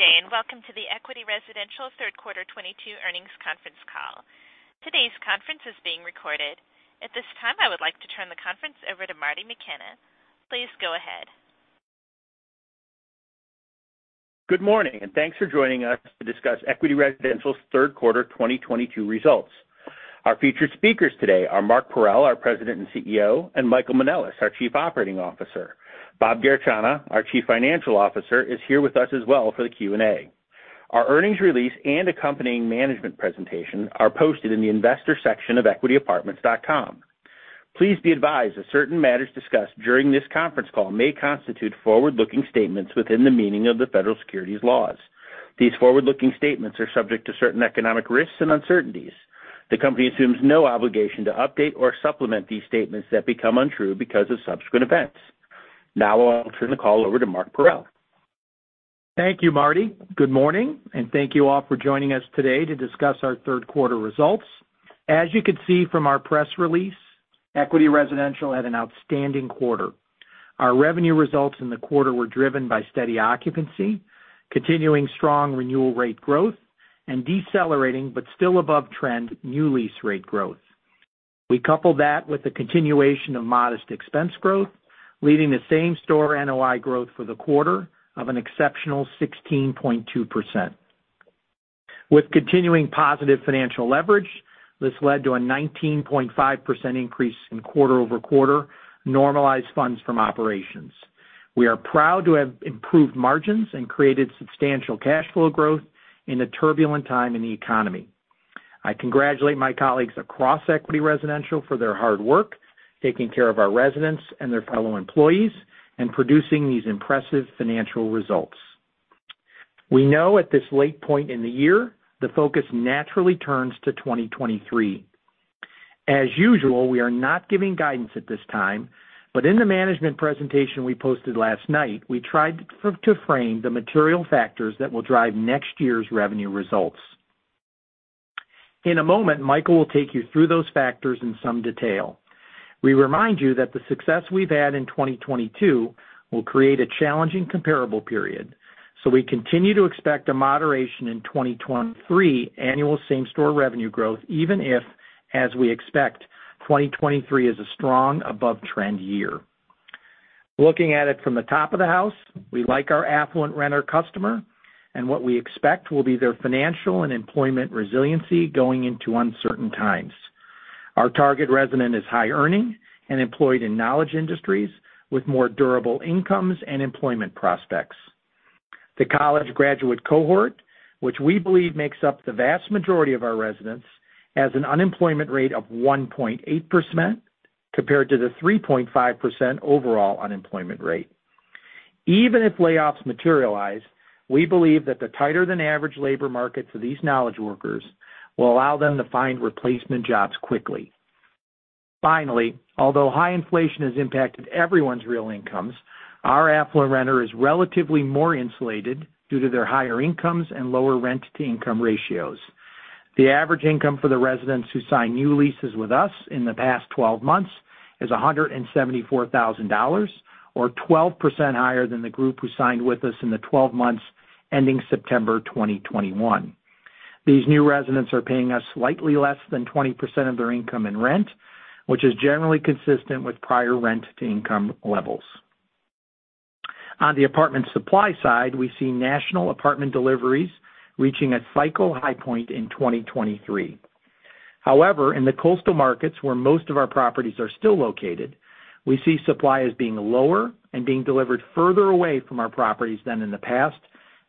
Good day, and welcome to the Equity Residential third quarter 2022 earnings conference call. Today's conference is being recorded. At this time, I would like to turn the conference over to Marty McKenna. Please go ahead. Good morning, and thanks for joining us to discuss Equity Residential's third quarter 2022 results. Our featured speakers today are Mark Parrell, our President and CEO, and Michael Manelis, our Chief Operating Officer. Robert Garechana, our Chief Financial Officer, is here with us as well for the Q&A. Our earnings release and accompanying management presentation are posted in the investor section of equityapartments.com. Please be advised that certain matters discussed during this conference call may constitute forward-looking statements within the meaning of the federal securities laws. These forward-looking statements are subject to certain economic risks and uncertainties. The company assumes no obligation to update or supplement these statements that become untrue because of subsequent events. Now I'll turn the call over to Mark Parrell. Thank you, Marty. Good morning, and thank you all for joining us today to discuss our third quarter results. As you can see from our press release, Equity Residential had an outstanding quarter. Our revenue results in the quarter were driven by steady occupancy, continuing strong renewal rate growth, and decelerating but still above trend new lease rate growth. We coupled that with the continuation of modest expense growth, leading to same-store NOI growth for the quarter of an exceptional 16.2%. With continuing positive financial leverage, this led to a 19.5% increase in quarter-over-quarter Normalized Funds From Operations. We are proud to have improved margins and created substantial cash flow growth in a turbulent time in the economy. I congratulate my colleagues across Equity Residential for their hard work, taking care of our residents and their fellow employees and producing these impressive financial results. We know at this late point in the year, the focus naturally turns to 2023. As usual, we are not giving guidance at this time, but in the management presentation we posted last night, we tried to frame the material factors that will drive next year's revenue results. In a moment, Michael will take you through those factors in some detail. We remind you that the success we've had in 2022 will create a challenging comparable period. We continue to expect a moderation in 2023 annual same-store revenue growth, even if, as we expect, 2023 is a strong above-trend year. Looking at it from the top of the house, we like our affluent renter customer and what we expect will be their financial and employment resiliency going into uncertain times. Our target resident is high earning and employed in knowledge industries with more durable incomes and employment prospects. The college graduate cohort, which we believe makes up the vast majority of our residents, has an unemployment rate of 1.8% compared to the 3.5% overall unemployment rate. Even if layoffs materialize, we believe that the tighter than average labor market for these knowledge workers will allow them to find replacement jobs quickly. Finally, although high inflation has impacted everyone's real incomes, our affluent renter is relatively more insulated due to their higher incomes and lower rent-to-income ratios. The average income for the residents who sign new leases with us in the past 12 months is $174,000, or 12% higher than the group who signed with us in the 12 months ending September 2021. These new residents are paying us slightly less than 20% of their income in rent, which is generally consistent with prior rent-to-income levels. On the apartment supply side, we see national apartment deliveries reaching a cycle high point in 2023. However, in the coastal markets where most of our properties are still located, we see supply as being lower and being delivered further away from our properties than in the past,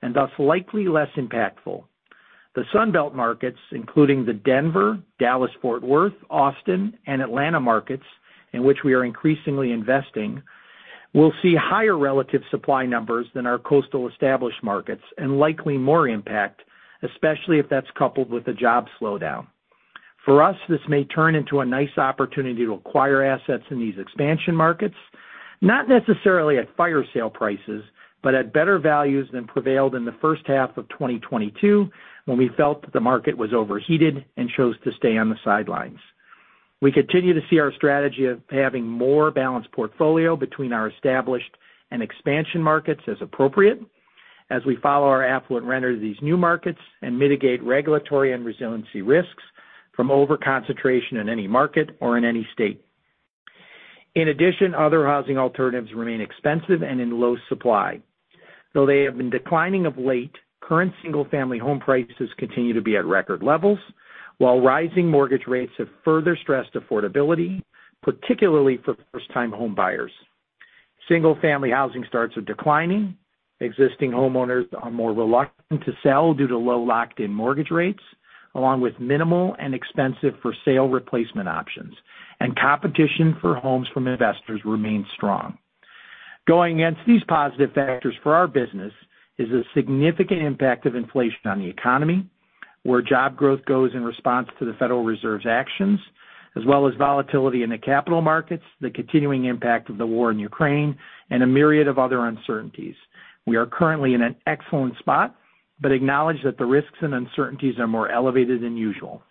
and thus likely less impactful. The Sun Belt markets, including the Denver, Dallas, Fort Worth, Austin, and Atlanta markets in which we are increasingly investing, will see higher relative supply numbers than our coastal established markets and likely more impact, especially if that's coupled with a job slowdown. For us, this may turn into a nice opportunity to acquire assets in these expansion markets, not necessarily at fire sale prices, but at better values than prevailed in the first half of 2022, when we felt that the market was overheated and chose to stay on the sidelines. We continue to see our strategy of having more balanced portfolio between our established and expansion markets as appropriate as we follow our affluent renters to these new markets and mitigate regulatory and resiliency risks from over-concentration in any market or in any state. In addition, other housing alternatives remain expensive and in low supply. Though they have been declining of late, current single-family home prices continue to be at record levels, while rising mortgage rates have further stressed affordability, particularly for first-time homebuyers. Single-family housing starts are declining. Existing homeowners are more reluctant to sell due to low locked-in mortgage rates, along with minimal and expensive for-sale replacement options. Competition for homes from investors remains strong. Going against these positive factors for our business is a significant impact of inflation on the economy, where job growth grows in response to the Federal Reserve's actions, as well as volatility in the capital markets, the continuing impact of the war in Ukraine, and a myriad of other uncertainties. We are currently in an excellent spot, but acknowledge that the risks and uncertainties are more elevated than usual.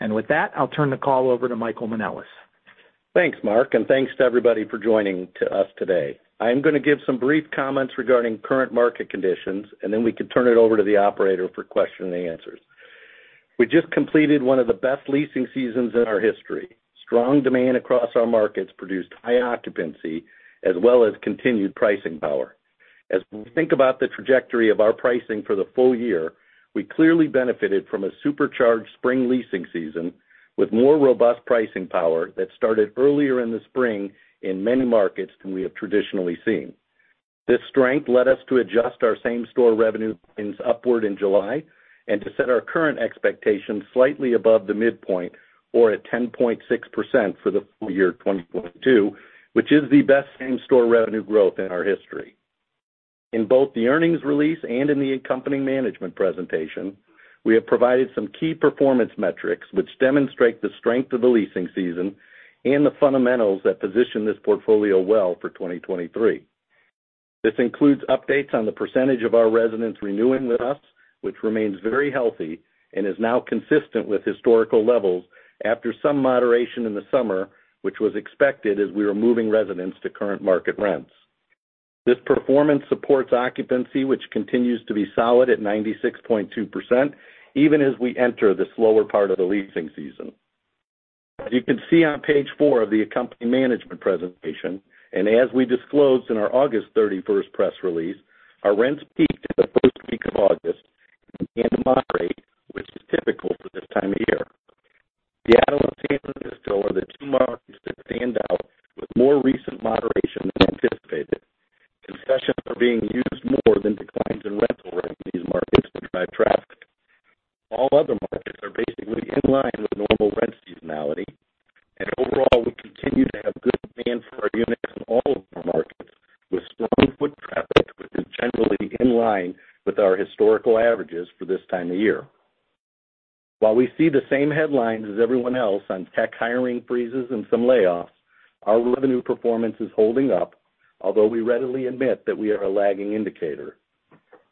With that, I'll turn the call over to Michael Manelis. Thanks, Mark, and thanks to everybody for joining us today. I am gonna give some brief comments regarding current market conditions, and then we can turn it over to the operator for question and answers. We just completed one of the best leasing seasons in our history. Strong demand across our markets produced high occupancy as well as continued pricing power. As we think about the trajectory of our pricing for the full year, we clearly benefited from a supercharged spring leasing season with more robust pricing power that started earlier in the spring in many markets than we have traditionally seen. This strength led us to adjust our same-store revenue upward in July and to set our current expectations slightly above the midpoint or at 10.6% for the full year 2022, which is the best same-store revenue growth in our history. In both the earnings release and in the accompanying management presentation, we have provided some key performance metrics which demonstrate the strength of the leasing season and the fundamentals that position this portfolio well for 2023. This includes updates on the percentage of our residents renewing with us, which remains very healthy and is now consistent with historical levels after some moderation in the summer, which was expected as we were moving residents to current market rents. This performance supports occupancy, which continues to be solid at 96.2% even as we enter the slower part of the leasing season. As you can see on page four of the accompanying management presentation, and as we disclosed in our August 31st press release, our rents peaked in the first week of August and began to moderate, which is typical for this time of year. Seattle and San Francisco are the two markets that stand out with more recent moderation than anticipated. Concessions are being used more than declines in rental rates in these markets to drive traffic. All other markets are basically in line with normal rent seasonality. Overall, we continue to have good demand for our units in all of our markets, with strong foot traffic, which is generally in line with our historical averages for this time of year. While we see the same headlines as everyone else on tech hiring freezes and some layoffs, our revenue performance is holding up. Although we readily admit that we are a lagging indicator.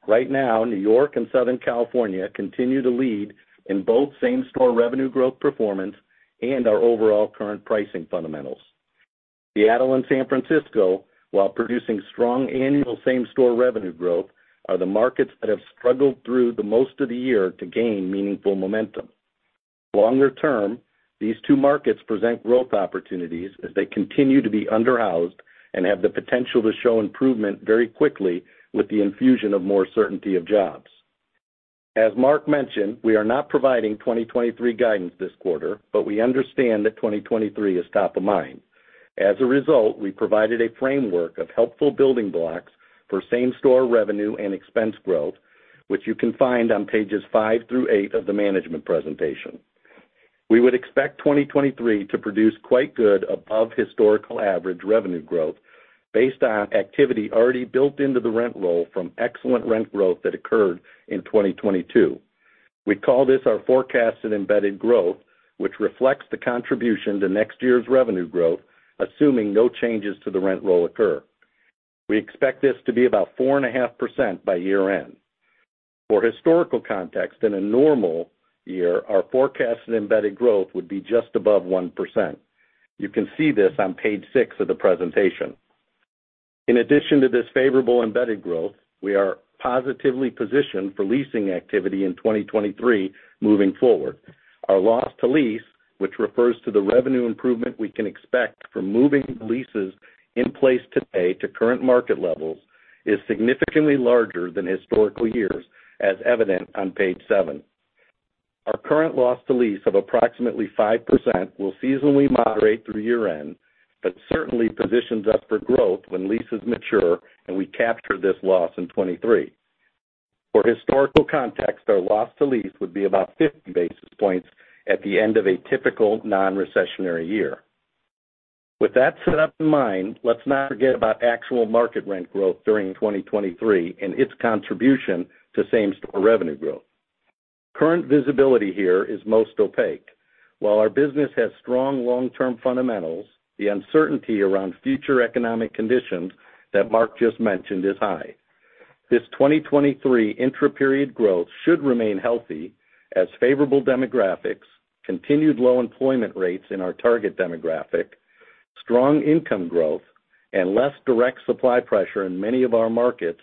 Right now, New York and Southern California continue to lead in both same-store revenue growth performance and our overall current pricing fundamentals. Seattle and San Francisco, while producing strong annual same-store revenue growth, are the markets that have struggled through the most of the year to gain meaningful momentum. Longer term, these two markets present growth opportunities as they continue to be under-housed and have the potential to show improvement very quickly with the infusion of more certainty of jobs. As Mark mentioned, we are not providing 2023 guidance this quarter, but we understand that 2023 is top of mind. As a result, we provided a framework of helpful building blocks for same-store revenue and expense growth, which you can find on pages five through eight of the management presentation. We would expect 2023 to produce quite good above historical average revenue growth based on activity already built into the rent roll from excellent rent growth that occurred in 2022. We call this our forecasted embedded growth, which reflects the contribution to next year's revenue growth, assuming no changes to the rent roll occur. We expect this to be about 4.5% by year-end. For historical context, in a normal year, our forecasted embedded growth would be just above 1%. You can see this on page six of the presentation. In addition to this favorable embedded growth, we are positively positioned for leasing activity in 2023 moving forward. Our loss to lease, which refers to the revenue improvement we can expect from moving leases in place today to current market levels, is significantly larger than historical years, as evident on page seven. Our current loss to lease of approximately 5% will seasonally moderate through year-end, but certainly positions us for growth when leases mature, and we capture this loss in 2023. For historical context, our loss to lease would be about 50 basis points at the end of a typical non-recessionary year. With that setup in mind, let's not forget about actual market rent growth during 2023 and its contribution to same-store revenue growth. Current visibility here is most opaque. While our business has strong long-term fundamentals, the uncertainty around future economic conditions that Mark just mentioned is high. This 2023 intra-period growth should remain healthy as favorable demographics, continued low employment rates in our target demographic, strong income growth, and less direct supply pressure in many of our markets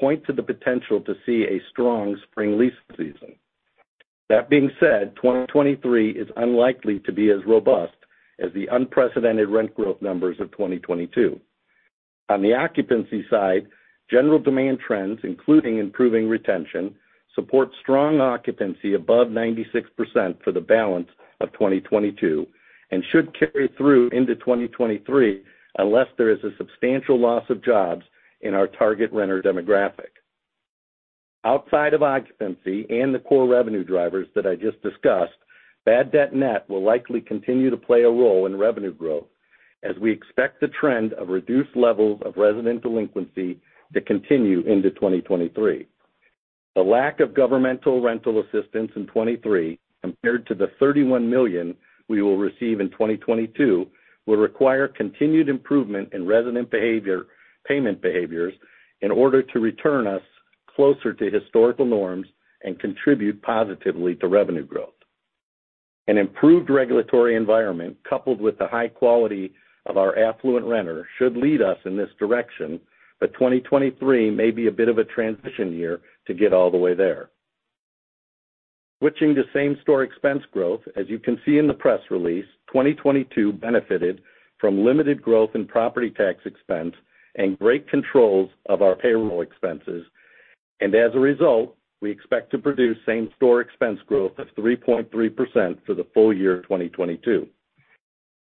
point to the potential to see a strong spring lease season. That being said, 2023 is unlikely to be as robust as the unprecedented rent growth numbers of 2022. On the occupancy side, general demand trends, including improving retention, support strong occupancy above 96% for the balance of 2022, and should carry through into 2023, unless there is a substantial loss of jobs in our target renter demographic. Outside of occupancy and the core revenue drivers that I just discussed, bad debt net will likely continue to play a role in revenue growth as we expect the trend of reduced levels of resident delinquency to continue into 2023. The lack of governmental rental assistance in 2023 compared to the $31 million we will receive in 2022 will require continued improvement in resident behavior, payment behaviors in order to return us closer to historical norms and contribute positively to revenue growth. An improved regulatory environment, coupled with the high quality of our affluent renter, should lead us in this direction, but 2023 may be a bit of a transition year to get all the way there. Switching to same-store expense growth, as you can see in the press release, 2022 benefited from limited growth in property tax expense and great controls of our payroll expenses. As a result, we expect to produce same-store expense growth of 3.3% for the full year of 2022.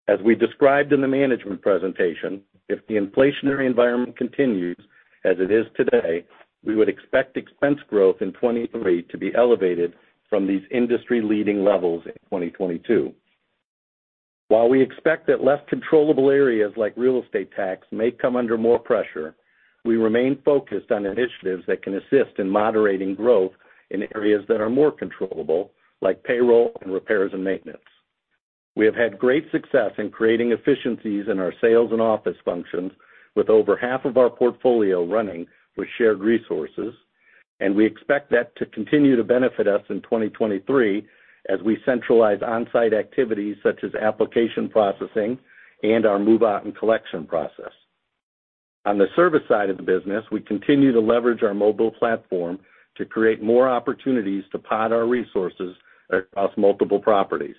As we described in the management presentation, if the inflationary environment continues as it is today, we would expect expense growth in 2023 to be elevated from these industry-leading levels in 2022. While we expect that less controllable areas like real estate tax may come under more pressure, we remain focused on initiatives that can assist in moderating growth in areas that are more controllable, like payroll and repairs and maintenance. We have had great success in creating efficiencies in our sales and office functions, with over half of our portfolio running with shared resources, and we expect that to continue to benefit us in 2023 as we centralize on-site activities such as application processing and our move-out and collection process. On the service side of the business, we continue to leverage our mobile platform to create more opportunities to pod our resources across multiple properties.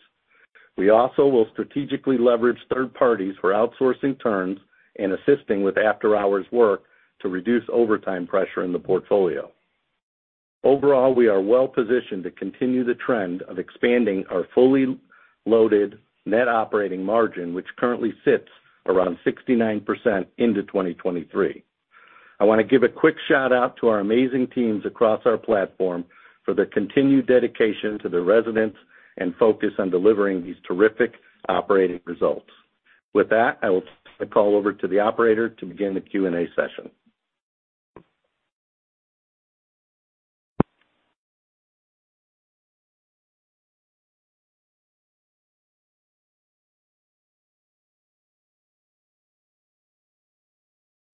We also will strategically leverage third parties for outsourcing turns and assisting with after-hours work to reduce overtime pressure in the portfolio. Overall, we are well-positioned to continue the trend of expanding our fully loaded net operating margin, which currently sits around 69% into 2023. I wanna give a quick shout-out to our amazing teams across our platform for their continued dedication to their residents and focus on delivering these terrific operating results. With that, I will turn the call over to the operator to begin the Q&A session.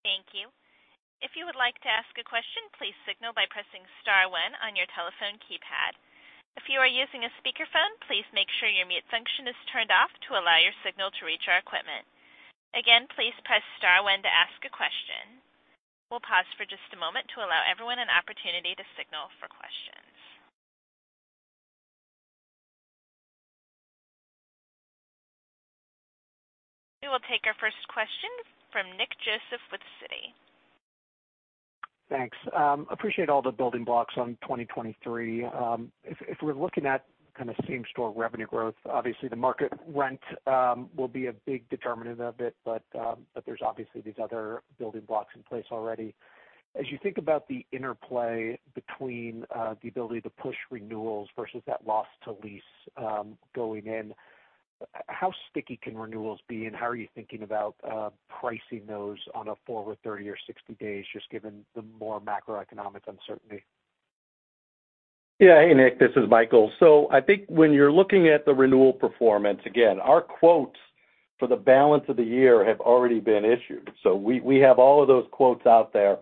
Thank you. If you would like to ask a question, please signal by pressing star one on your telephone keypad. If you are using a speakerphone, please make sure your mute function is turned off to allow your signal to reach our equipment. Again, please press star one to ask a question. We'll pause for just a moment to allow everyone an opportunity to signal for questions. We will take our first question from Nick Joseph with Citi. Thanks. Appreciate all the building blocks on 2023. If we're looking at kind of same-store revenue growth, obviously the market rent will be a big determinant of it, but there's obviously these other building blocks in place already. As you think about the interplay between the ability to push renewals versus that loss to lease going in, how sticky can renewals be, and how are you thinking about pricing those on a forward 30 or 60 days, just given the more macroeconomic uncertainty? Yeah. Hey, Nick, this is Michael. I think when you're looking at the renewal performance, again, our quotes for the balance of the year have already been issued. We have all of those quotes out there,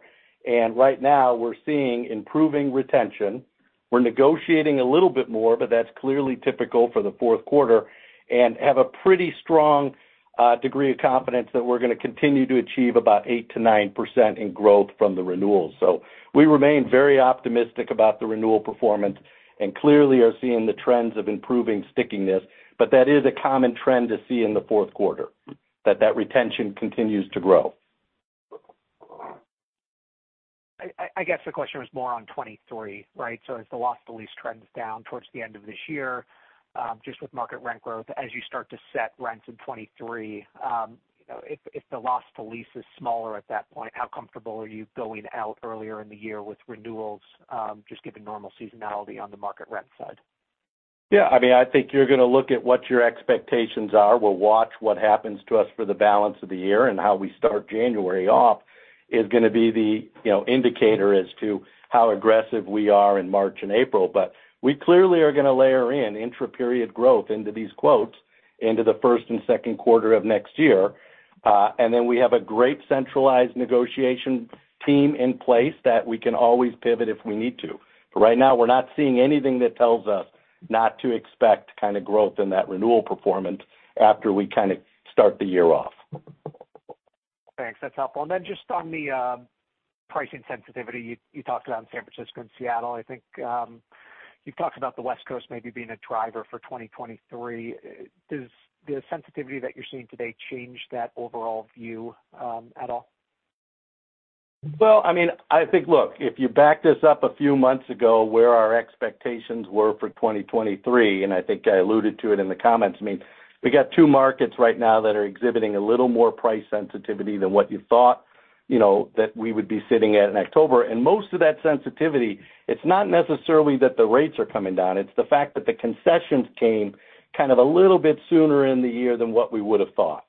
and right now we're seeing improving retention. We're negotiating a little bit more, but that's clearly typical for the fourth quarter and have a pretty strong degree of confidence that we're gonna continue to achieve about 8%-9% in growth from the renewals. We remain very optimistic about the renewal performance and clearly are seeing the trends of improving stickiness. That is a common trend to see in the fourth quarter, that retention continues to grow. I guess the question was more on 2023, right? As the loss to lease trends down towards the end of this year, just with market rent growth, as you start to set rents in 2023, you know, if the loss to lease is smaller at that point, how comfortable are you going out earlier in the year with renewals, just given normal seasonality on the market rent side? Yeah. I mean, I think you're gonna look at what your expectations are. We'll watch what happens to us for the balance of the year, and how we start January off is gonna be the, you know, indicator as to how aggressive we are in March and April. We clearly are gonna layer in intra-period growth into these quotes into the first and second quarter of next year. And then we have a great centralized negotiation team in place that we can always pivot if we need to. Right now we're not seeing anything that tells us not to expect kind of growth in that renewal performance after we kind of start the year off. Thanks. That's helpful. Just on the pricing sensitivity you talked about in San Francisco and Seattle. I think you've talked about the West Coast maybe being a driver for 2023. Does the sensitivity that you're seeing today change that overall view at all? Well, I mean, I think, look, if you back this up a few months ago, where our expectations were for 2023, and I think I alluded to it in the comments, I mean, we got two markets right now that are exhibiting a little more price sensitivity than what you thought, you know, that we would be sitting at in October. Most of that sensitivity, it's not necessarily that the rates are coming down, it's the fact that the concessions came kind of a little bit sooner in the year than what we would have thought,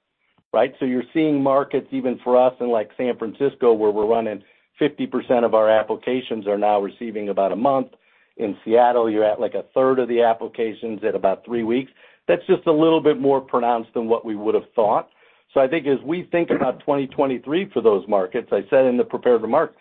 right? You're seeing markets even for us in like San Francisco, where we're running 50% of our applications are now receiving about a month. In Seattle, you're at, like, a third of the applications at about three weeks. That's just a little bit more pronounced than what we would have thought. I think as we think about 2023 for those markets, I said in the prepared remarks,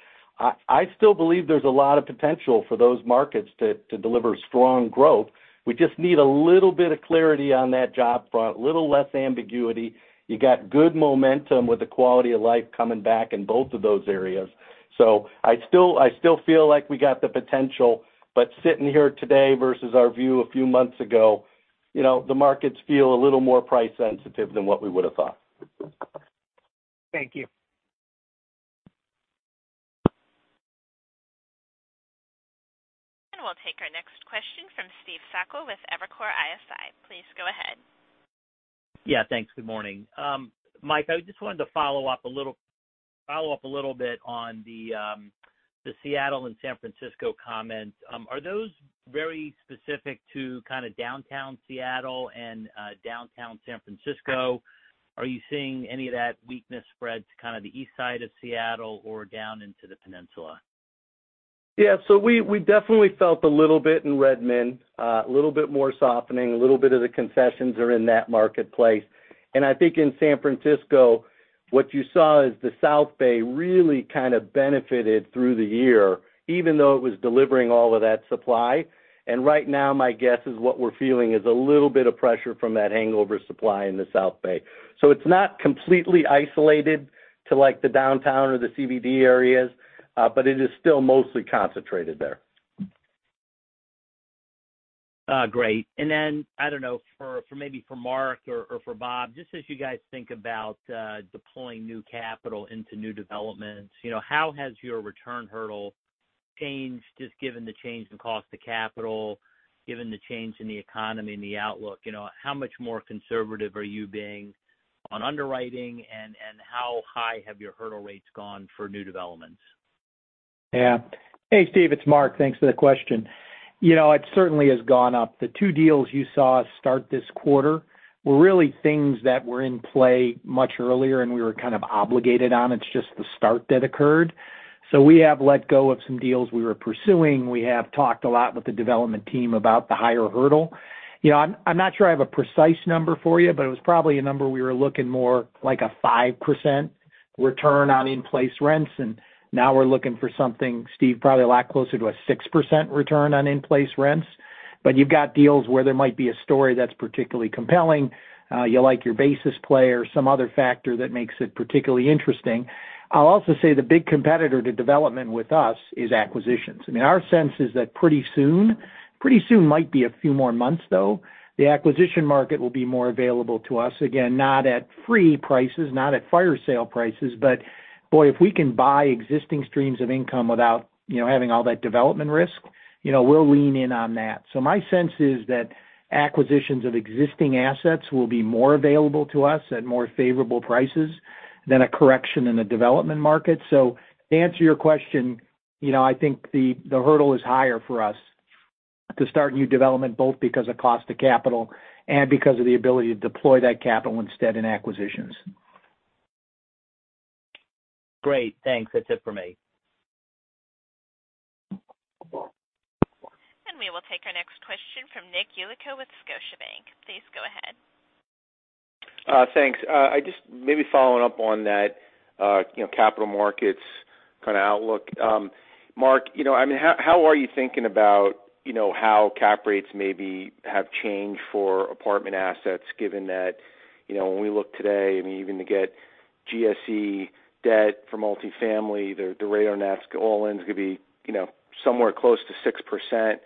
I still believe there's a lot of potential for those markets to deliver strong growth. We just need a little bit of clarity on that job front, a little less ambiguity. You got good momentum with the quality of life coming back in both of those areas. I still feel like we got the potential, but sitting here today versus our view a few months ago, you know, the markets feel a little more price sensitive than what we would have thought. Thank you. We'll take our next question from Steve Sakwa with Evercore ISI. Please go ahead. Yeah, thanks. Good morning. Mike, I just wanted to follow up a little bit on the Seattle and San Francisco comments. Are those very specific to kind of downtown Seattle and downtown San Francisco? Are you seeing any of that weakness spread to kind of the east side of Seattle or down into the peninsula? Yeah. We definitely felt a little bit in Redmond, a little bit more softening. A little bit of the concessions are in that marketplace. I think in San Francisco, what you saw is the South Bay really kind of benefited through the year, even though it was delivering all of that supply. Right now, my guess is what we're feeling is a little bit of pressure from that hangover supply in the South Bay. It's not completely isolated to, like, the downtown or the CBD areas, but it is still mostly concentrated there. Great. Then, I don't know, for maybe Mark or Bob, just as you guys think about deploying new capital into new developments, you know, how has your return hurdle changed just given the change in cost of capital, given the change in the economy and the outlook? You know, how much more conservative are you being on underwriting, and how high have your hurdle rates gone for new developments? Yeah. Hey, Steve, it's Mark. Thanks for the question. You know, it certainly has gone up. The two deals you saw us start this quarter were really things that were in play much earlier, and we were kind of obligated on. It's just the start that occurred. We have let go of some deals we were pursuing. We have talked a lot with the development team about the higher hurdle. You know, I'm not sure I have a precise number for you, but it was probably a number we were looking more like a 5% return on in-place rents, and now we're looking for something, Steve, probably a lot closer to a 6% return on in-place rents. But you've got deals where there might be a story that's particularly compelling. You like your basis play or some other factor that makes it particularly interesting. I'll also say the big competitor to development with us is acquisitions. I mean, our sense is that pretty soon might be a few more months, though, the acquisition market will be more available to us. Again, not at free prices, not at fire sale prices, but boy, if we can buy existing streams of income without, you know, having all that development risk, you know, we'll lean in on that. So my sense is that acquisitions of existing assets will be more available to us at more favorable prices than a correction in the development market. So to answer your question, you know, I think the hurdle is higher for us to start new development, both because of cost of capital and because of the ability to deploy that capital instead in acquisitions. Great. Thanks. That's it for me. We will take our next question from Nicholas Yulico with Scotiabank. Please go ahead. Thanks. I just maybe following up on that, you know, capital markets kind of outlook. Mark, you know, I mean, how are you thinking about, you know, how cap rates maybe have changed for apartment assets, given that, you know, when we look today and even to get GSE debt for multifamily, the rate on that all-in's gonna be, you know, somewhere close to 6%.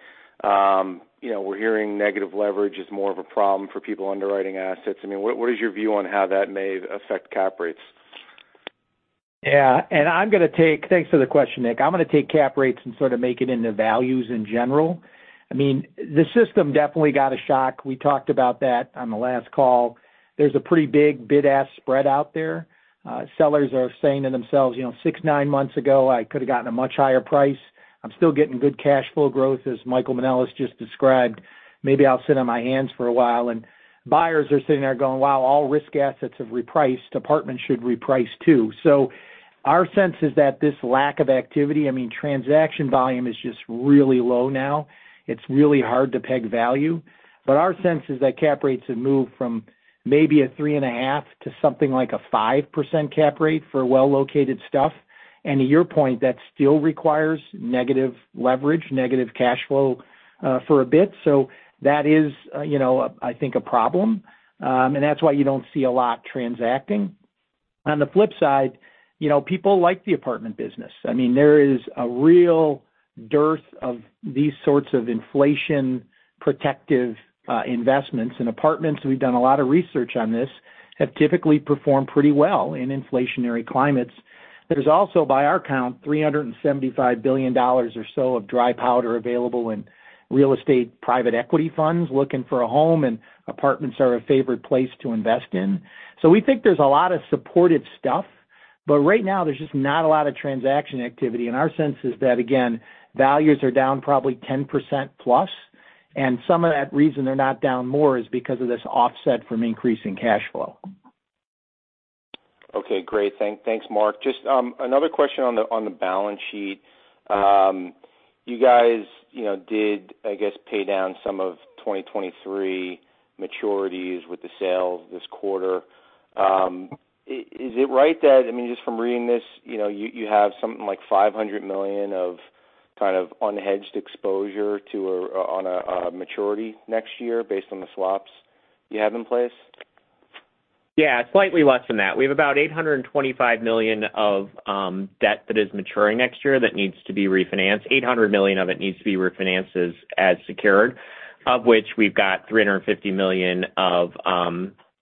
You know, we're hearing negative leverage is more of a problem for people underwriting assets. I mean, what is your view on how that may affect cap rates? Yeah. I'm gonna take. Thanks for the question, Nick. I'm gonna take cap rates and sort of make it into values in general. I mean, the system definitely got a shock. We talked about that on the last call. There's a pretty big bid-ask spread out there. Sellers are saying to themselves, "You know, six, nine months ago, I could have gotten a much higher price. I'm still getting good cash flow growth, as Michael Manelis just described. Maybe I'll sit on my hands for a while." Buyers are sitting there going, "Wow, all risk assets have repriced. Apartments should reprice, too." Our sense is that this lack of activity, I mean, transaction volume is just really low now. It's really hard to peg value. Our sense is that cap rates have moved from maybe 3.5% to something like a 5% cap rate for well-located stuff. To your point, that still requires negative leverage, negative cash flow, for a bit. That is, you know, I think a problem. That's why you don't see a lot transacting. On the flip side, you know, people like the apartment business. I mean, there is a real dearth of these sorts of inflation protective investments. Apartments, we've done a lot of research on this, have typically performed pretty well in inflationary climates. There's also, by our count, $375 billion or so of dry powder available in real estate private equity funds looking for a home, and apartments are a favorite place to invest in. We think there's a lot of supportive stuff, but right now there's just not a lot of transaction activity. Our sense is that, again, values are down probably 10%+, and some of the reason they're not down more is because of this offset from increasing cash flow. Okay, great. Thanks, Mark. Just another question on the balance sheet. You guys, you know, I guess, pay down some of 2023 maturities with the sales this quarter. Is it right that, I mean, just from reading this, you know, you have something like $500 million of kind of unhedged exposure to a maturity next year based on the swaps you have in place? Yeah, slightly less than that. We have about $825 million of debt that is maturing next year that needs to be refinanced. $800 million of it needs to be refinanced as secured, of which we've got $350 million of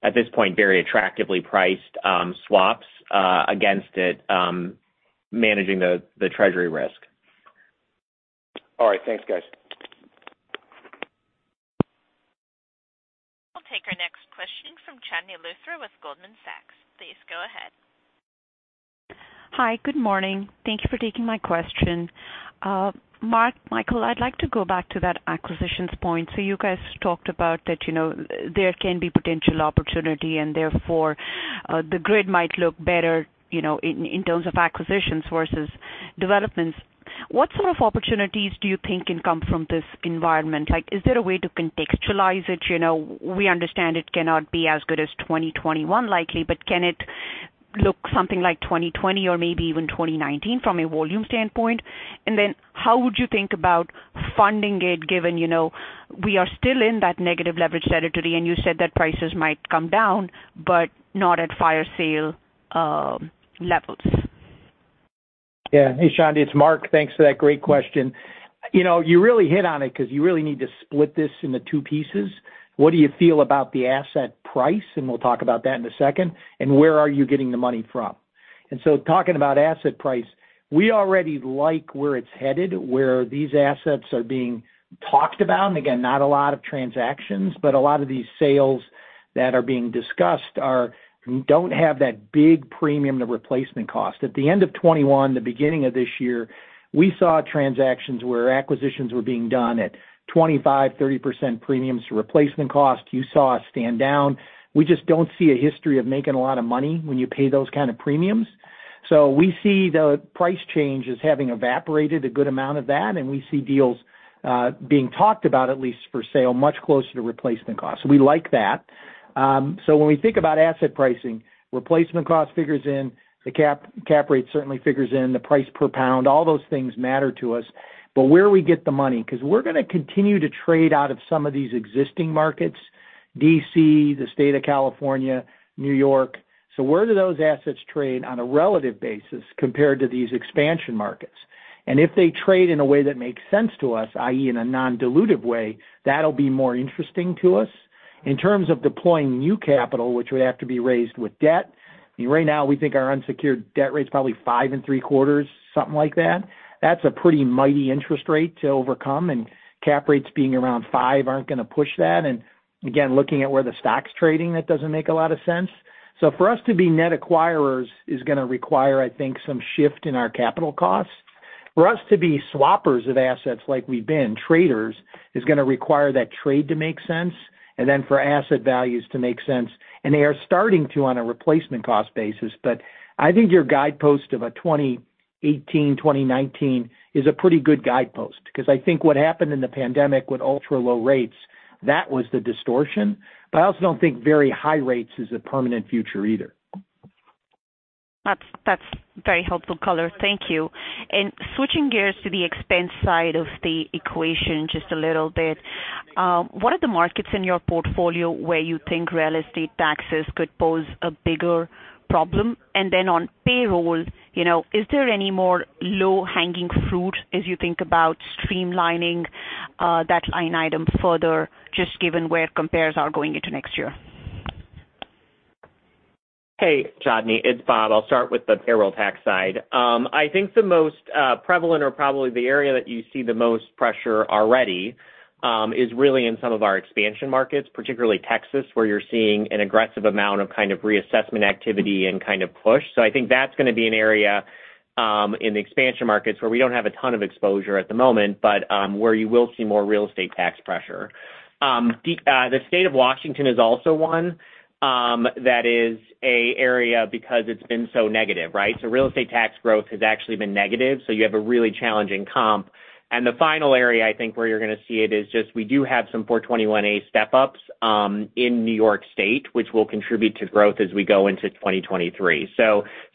at this point, very attractively priced swaps against it, managing the Treasury risk. All right. Thanks, guys. We'll take our next question from Chandni Luthra with Goldman Sachs. Please go ahead. Hi. Good morning. Thank you for taking my question. Mark Parrell, Michael Manelis, I'd like to go back to that acquisitions point. You guys talked about that, you know, there can be potential opportunity and therefore, the grid might look better, you know, in terms of acquisitions versus developments. What sort of opportunities do you think can come from this environment? Like, is there a way to contextualize it? You know, we understand it cannot be as good as 2021 likely, but can it look something like 2020 or maybe even 2019 from a volume standpoint? And then how would you think about funding it given, you know, we are still in that negative leverage territory, and you said that prices might come down, but not at fire sale levels. Yeah. Hey, Chandni, it's Mark. Thanks for that great question. You know, you really hit on it because you really need to split this into two pieces. What do you feel about the asset price? We'll talk about that in a second. Where are you getting the money from? Talking about asset price, we already like where it's headed, where these assets are being talked about. Again, not a lot of transactions, but a lot of these sales that are being discussed don't have that big premium to replacement cost. At the end of 2021, the beginning of this year, we saw transactions where acquisitions were being done at 25%-30% premiums to replacement cost. You saw us stand down. We just don't see a history of making a lot of money when you pay those kind of premiums. We see the price change as having evaporated a good amount of that, and we see deals being talked about, at least for sale, much closer to replacement cost. We like that. When we think about asset pricing, replacement cost figures in, the cap rate certainly figures in, the price per pound, all those things matter to us. Where we get the money, because we're going to continue to trade out of some of these existing markets, D.C., the state of California, New York. Where do those assets trade on a relative basis compared to these expansion markets? If they trade in a way that makes sense to us, i.e., in a non-dilutive way, that'll be more interesting to us. In terms of deploying new capital, which would have to be raised with debt, right now, we think our unsecured debt rate is probably 5.75%, something like that. That's a pretty mighty interest rate to overcome, and cap rates being around 5% aren't going to push that. Again, looking at where the stock's trading, that doesn't make a lot of sense. For us to be net acquirers is going to require, I think, some shift in our capital costs. For us to be swappers of assets like we've been, traders, is going to require that trade to make sense and then for asset values to make sense. They are starting to on a replacement cost basis. I think your guidepost of a 2018-2019 is a pretty good guidepost, because I think what happened in the pandemic with ultra-low rates, that was the distortion. I also don't think very high rates is a permanent future either. That's very helpful color. Thank you. Switching gears to the expense side of the equation just a little bit, what are the markets in your portfolio where you think real estate taxes could pose a bigger problem? Then on payroll, you know, is there any more low-hanging fruit as you think about streamlining that line item further just given where compares are going into next year? Hey, Chandni, it's Rob. I'll start with the property tax side. I think the most prevalent or probably the area that you see the most pressure already is really in some of our expansion markets, particularly Texas, where you're seeing an aggressive amount of kind of reassessment activity and kind of push. I think that's going to be an area in the expansion markets where we don't have a ton of exposure at the moment, but where you will see more real estate tax pressure. The state of Washington is also one that is an area because it's been so negative, right? Real estate tax growth has actually been negative, so you have a really challenging comp. The final area, I think, where you're going to see it is just we do have some 421-a step-ups in New York State, which will contribute to growth as we go into 2023. It's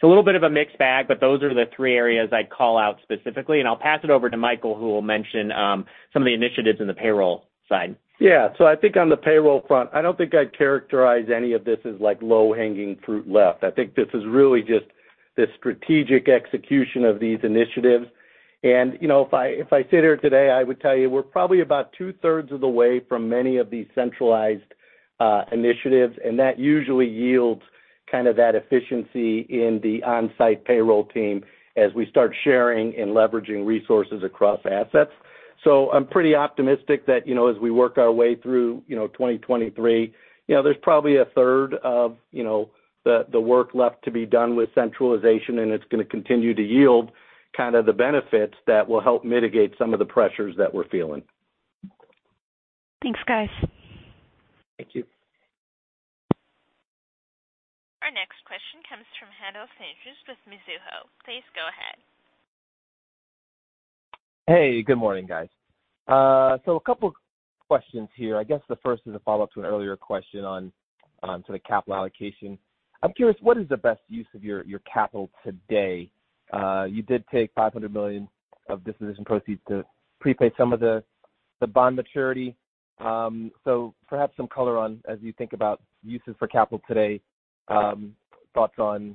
a little bit of a mixed bag, but those are the three areas I'd call out specifically. I'll pass it over to Michael, who will mention some of the initiatives in the portfolio side. Yeah. I think on the payroll front, I don't think I'd characterize any of this as like low-hanging fruit left. I think this is really just the strategic execution of these initiatives. You know, if I sit here today, I would tell you we're probably about two-thirds of the way from many of these centralized initiatives, and that usually yields kind of that efficiency in the on-site payroll team as we start sharing and leveraging resources across assets. I'm pretty optimistic that, you know, as we work our way through 2023, you know, there's probably a third of the work left to be done with centralization, and it's going to continue to yield kind of the benefits that will help mitigate some of the pressures that we're feeling. Thanks, guys. Thank you. Our next question comes from Haendel St. Juste with Mizuho. Please go ahead. Hey, good morning, guys. So a couple questions here. I guess the first is a follow-up to an earlier question on to the capital allocation. I'm curious, what is the best use of your capital today? You did take $500 million of disposition proceeds to prepay some of the bond maturity. So perhaps some color on as you think about uses for capital today, thoughts on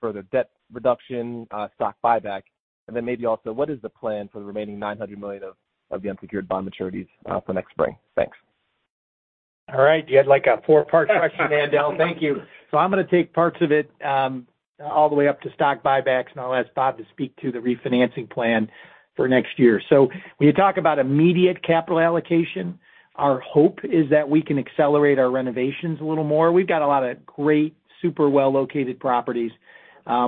further debt reduction, stock buyback. Maybe also what is the plan for the remaining $900 million of the unsecured bond maturities for next spring? Thanks. All right. You had like a four-part question, Haendel. Thank you. I'm gonna take parts of it, all the way up to stock buybacks, and I'll ask Bob to speak to the refinancing plan for next year. When you talk about immediate capital allocation, our hope is that we can accelerate our renovations a little more. We've got a lot of great, super well-located properties,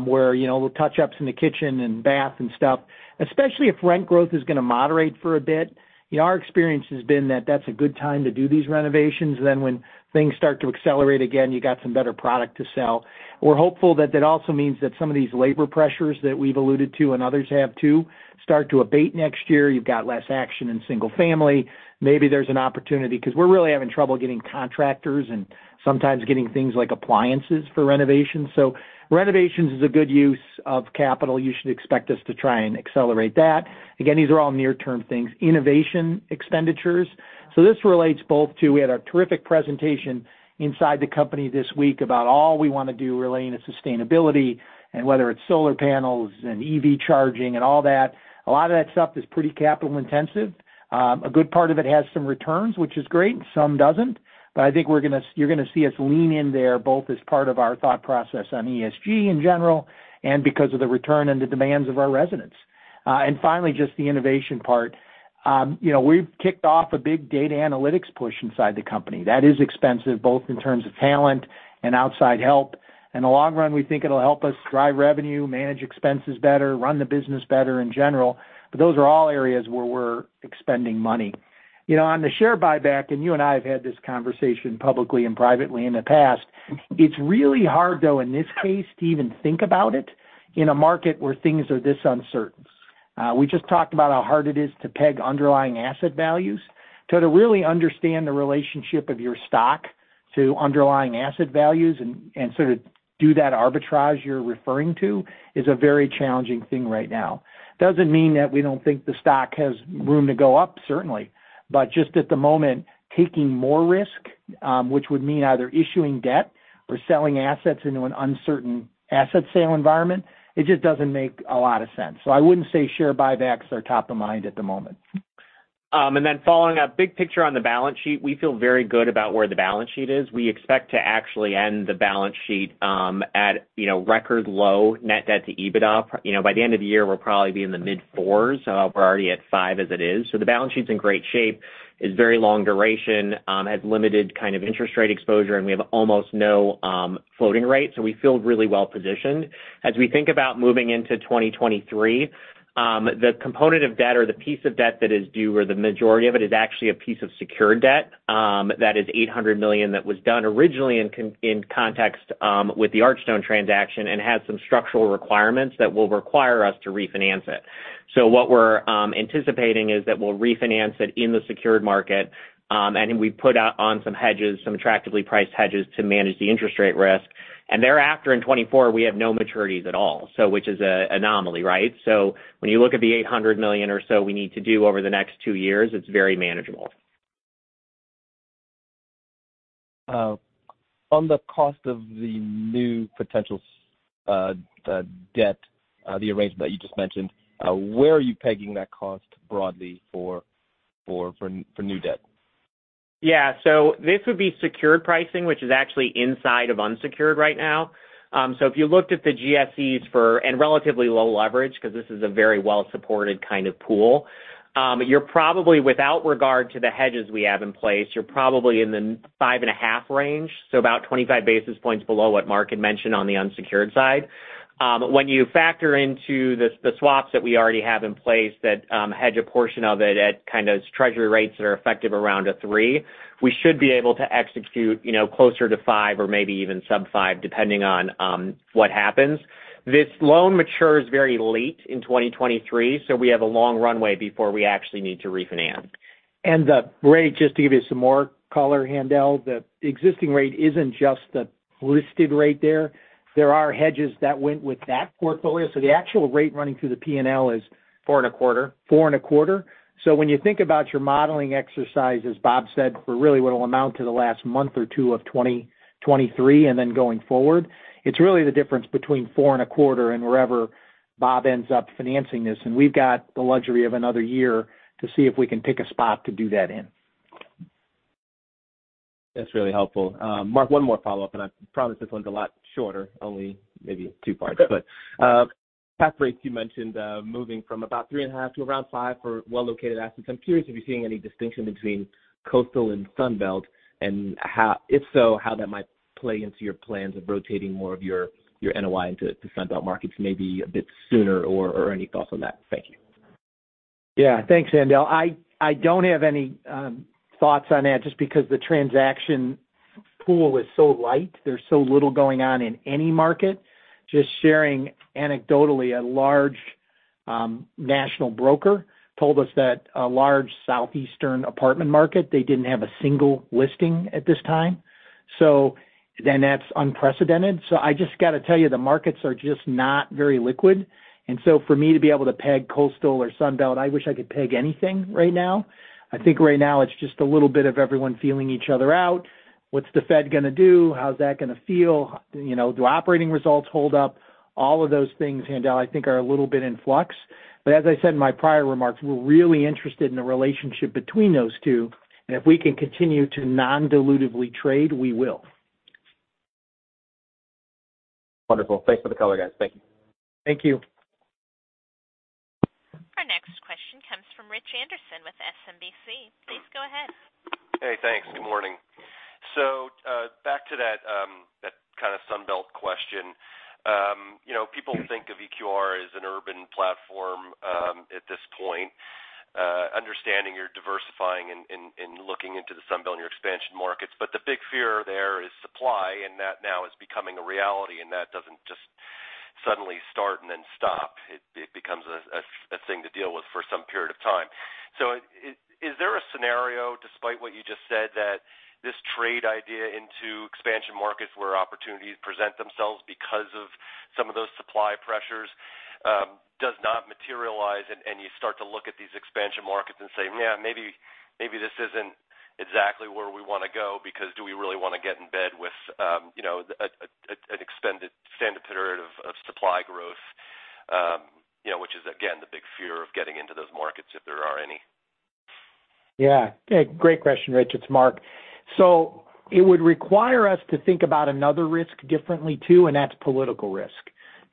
where, you know, with touch-ups in the kitchen and bath and stuff, especially if rent growth is gonna moderate for a bit. You know, our experience has been that that's a good time to do these renovations. When things start to accelerate again, you got some better product to sell. We're hopeful that that also means that some of these labor pressures that we've alluded to and others have too, start to abate next year. You've got less action in single family. Maybe there's an opportunity because we're really having trouble getting contractors and sometimes getting things like appliances for renovations. Renovations is a good use of capital. You should expect us to try and accelerate that. Again, these are all near-term things. Innovation expenditures. This relates both to, we had a terrific presentation inside the company this week about all we wanna do relating to sustainability and whether it's solar panels and EV charging and all that. A lot of that stuff is pretty capital intensive. A good part of it has some returns, which is great, and some doesn't. I think we're gonna, you're gonna see us lean in there both as part of our thought process on ESG in general and because of the return and the demands of our residents. Finally, just the innovation part. You know, we've kicked off a big data analytics push inside the company. That is expensive, both in terms of talent and outside help. In the long run, we think it'll help us drive revenue, manage expenses better, run the business better in general, but those are all areas where we're expending money. You know, on the share buyback, and you and I have had this conversation publicly and privately in the past, it's really hard, though, in this case to even think about it in a market where things are this uncertain. We just talked about how hard it is to peg underlying asset values. To really understand the relationship of your stock to underlying asset values and sort of do that arbitrage you're referring to is a very challenging thing right now. Doesn't mean that we don't think the stock has room to go up, certainly. Just at the moment, taking more risk, which would mean either issuing debt or selling assets into an uncertain asset sale environment, it just doesn't make a lot of sense. I wouldn't say share buybacks are top of mind at the moment. Following up, big picture on the balance sheet. We feel very good about where the balance sheet is. We expect to actually end the balance sheet at, you know, record low net debt to EBITDA. You know, by the end of the year, we'll probably be in the mid-fours. We're already at five as it is. The balance sheet's in great shape. It's very long duration, has limited kind of interest rate exposure, and we have almost no floating rates, so we feel really well positioned. As we think about moving into 2023, the component of debt or the piece of debt that is due or the majority of it is actually a piece of secured debt, that is $800 million that was done originally in context with the Archstone transaction and has some structural requirements that will require us to refinance it. What we're anticipating is that we'll refinance it in the secured market, and then we put on some hedges, some attractively priced hedges to manage the interest rate risk. Thereafter in 2024, we have no maturities at all, which is an anomaly, right? When you look at the $800 million or so we need to do over the next two years, it's very manageable. On the cost of the new potential debt, the arrangement you just mentioned, where are you pegging that cost broadly for new debt? Yeah. This would be secured pricing, which is actually inside of unsecured right now. If you looked at the GSEs and relatively low leverage, 'cause this is a very well-supported kind of pool. You're probably, without regard to the hedges we have in place, in the 5.5 range, so about 25 basis points below what Mark had mentioned on the unsecured side. When you factor in the swaps that we already have in place that hedge a portion of it at kind of Treasury rates that are effective around a three, we should be able to execute, you know, closer to five or maybe even sub five, depending on what happens. This loan matures very late in 2023, so we have a long runway before we actually need to refinance. Ray, just to give you some more color, Haendel. The existing rate isn't just the listed rate there. There are hedges that went with that portfolio, so the actual rate running through the P&L is. 4.25 4.25. When you think about your modeling exercise, as Bob said, for really what will amount to the last month or two of 2023 and then going forward, it's really the difference between 4.25 and wherever Bob ends up financing this. We've got the luxury of another year to see if we can pick a spot to do that in. That's really helpful. Mark, one more follow-up, and I promise this one's a lot shorter, only maybe two parts. Good. Cap rates you mentioned moving from about 3.5 to around five for well-located assets. I'm curious if you're seeing any distinction between coastal and Sun Belt and how, if so, how that might play into your plans of rotating more of your NOI into Sun Belt markets maybe a bit sooner or any thoughts on that? Thank you. Yeah. Thanks, Haendel St. Juste. I don't have any thoughts on that just because the transaction pool is so light. There's so little going on in any market. Just sharing anecdotally, a large national broker told us that a large Southeastern apartment market, they didn't have a single listing at this time. That's unprecedented. I just got to tell you, the markets are just not very liquid. For me to be able to peg Coastal or Sunbelt, I wish I could peg anything right now. I think right now it's just a little bit of everyone feeling each other out. What's the Fed gonna do? How's that gonna feel? You know, do operating results hold up? All of those things, Haendel St. Juste, I think are a little bit in flux. as I said in my prior remarks, we're really interested in the relationship between those two. if we can continue to non-dilutively trade, we will. Wonderful. Thanks for the color, guys. Thank you. Thank you. Our next question comes from Richard Anderson with SMBC. Please go ahead. Hey, thanks. Good morning. Back to that kind of Sunbelt question. You know, people think of EQR as an urban platform at this point, understanding you're diversifying and looking into the Sunbelt and your expansion markets. But the big fear there is supply, and that now is becoming a reality, and that doesn't just suddenly start and then stop. It becomes a thing to deal with for some period of time. Is there a scenario, despite what you just said, that this trade idea into expansion markets where opportunities present themselves because of some of those supply pressures, does not materialize, and you start to look at these expansion markets and say, "Nah, maybe this isn't exactly where we wanna go because do we really wanna get in bed with, you know, an extended period of supply growth?" You know, which is again, the big fear of getting into those markets, if there are any. Yeah. Great question, Rich. It's Mark. It would require us to think about another risk differently, too, and that's political risk.